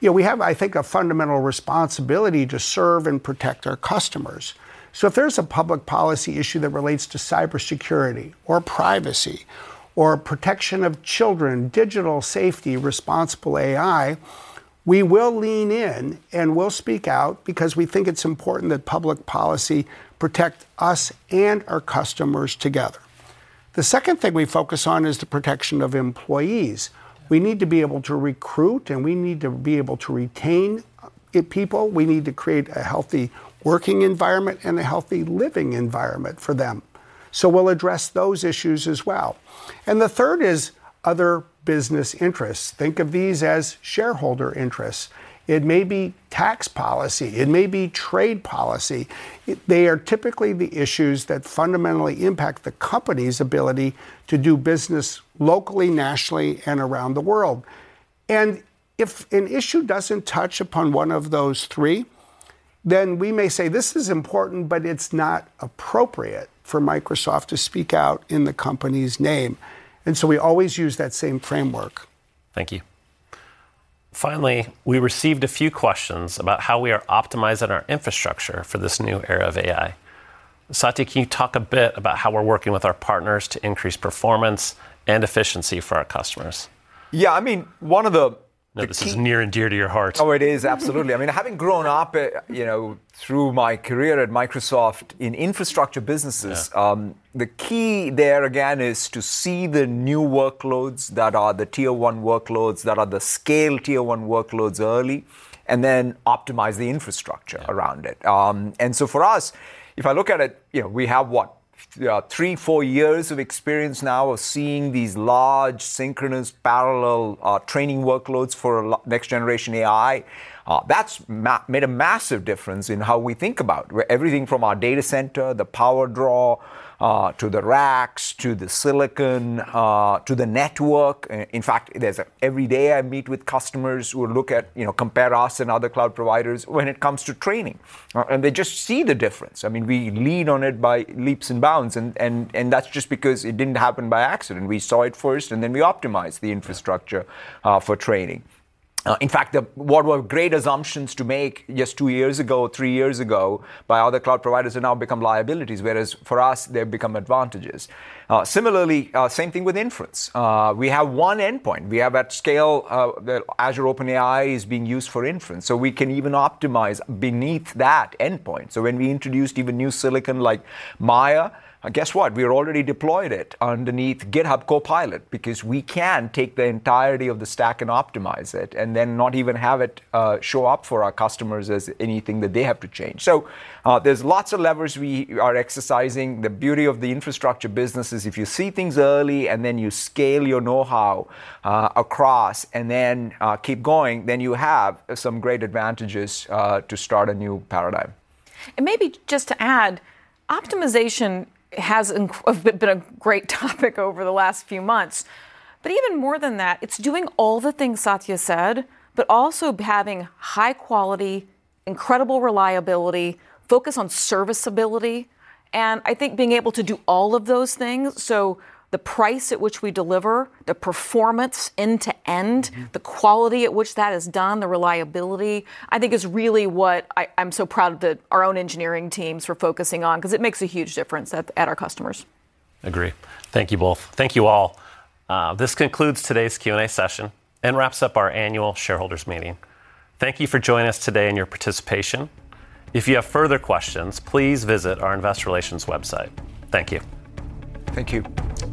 Speaker 14: You know, we have, I think, a fundamental responsibility to serve and protect our customers. So if there's a public policy issue that relates to cybersecurity or privacy or protection of children, digital safety, responsible AI, we will lean in, and we'll speak out because we think it's important that public policy protect us and our customers together. The second thing we focus on is the protection of employees.
Speaker 13: Yeah.
Speaker 14: We need to be able to recruit, and we need to be able to retain people. We need to create a healthy working environment and a healthy living environment for them, so we'll address those issues as well. The third is other business interests. Think of these as shareholder interests. It may be tax policy. It may be trade policy. They are typically the issues that fundamentally impact the company's ability to do business locally, nationally, and around the world. If an issue doesn't touch upon one of those three, then we may say, "This is important, but it's not appropriate for Microsoft to speak out in the company's name," and so we always use that same framework.
Speaker 13: Thank you. Finally, we received a few questions about how we are optimizing our infrastructure for this new era of AI. Satya, can you talk a bit about how we're working with our partners to increase performance and efficiency for our customers?
Speaker 11: Yeah, I mean, one of the key-
Speaker 13: I know this is near and dear to your heart.
Speaker 11: Oh, it is, absolutely. I mean, having grown up, you know, through my career at Microsoft in infrastructure businesses-
Speaker 13: Yeah...
Speaker 11: the key there again, is to see the new workloads that are the Tier One workloads, that are the scale Tier One workloads early, and then optimize the infrastructure around it.
Speaker 13: Yeah.
Speaker 11: And so for us, if I look at it, you know, we have, what, three, four years of experience now of seeing these large, synchronous, parallel, training workloads for next generation AI. That's made a massive difference in how we think about where everything from our data center, the power draw, to the racks, to the silicon, to the network. In fact, there's a... Every day I meet with customers who will look at, you know, compare us and other cloud providers when it comes to training, and they just see the difference. I mean, we lead on it by leaps and bounds, and, and, and that's just because it didn't happen by accident. We saw it first, and then we optimized the infrastructure-
Speaker 13: Yeah...
Speaker 11: for training. In fact, the, what were great assumptions to make just two years ago or three years ago by other cloud providers have now become liabilities, whereas for us, they've become advantages. Similarly, same thing with inference. We have one endpoint. We have at scale, the Azure OpenAI is being used for inference, so we can even optimize beneath that endpoint. So when we introduced even new silicon like Maia, guess what? We already deployed it underneath GitHub Copilot because we can take the entirety of the stack and optimize it, and then not even have it show up for our customers as anything that they have to change. So, there's lots of levers we are exercising. The beauty of the infrastructure business is if you see things early, and then you scale your know-how across, and then keep going, then you have some great advantages to start a new paradigm.
Speaker 10: Maybe just to add, optimization has been a great topic over the last few months. But even more than that, it's doing all the things Satya said, but also having high quality, incredible reliability, focus on serviceability, and I think being able to do all of those things, so the price at which we deliver, the performance end to end.
Speaker 13: Mm-hmm...
Speaker 10: the quality at which that is done, the reliability, I think is really what I, I'm so proud that our own engineering teams are focusing on, 'cause it makes a huge difference at, at our customers.
Speaker 13: Agree. Thank you both. Thank you all. This concludes today's Q&A session and wraps up our annual shareholders meeting. Thank you for joining us today and your participation. If you have further questions, please visit our investor relations website. Thank you.
Speaker 11: Thank you.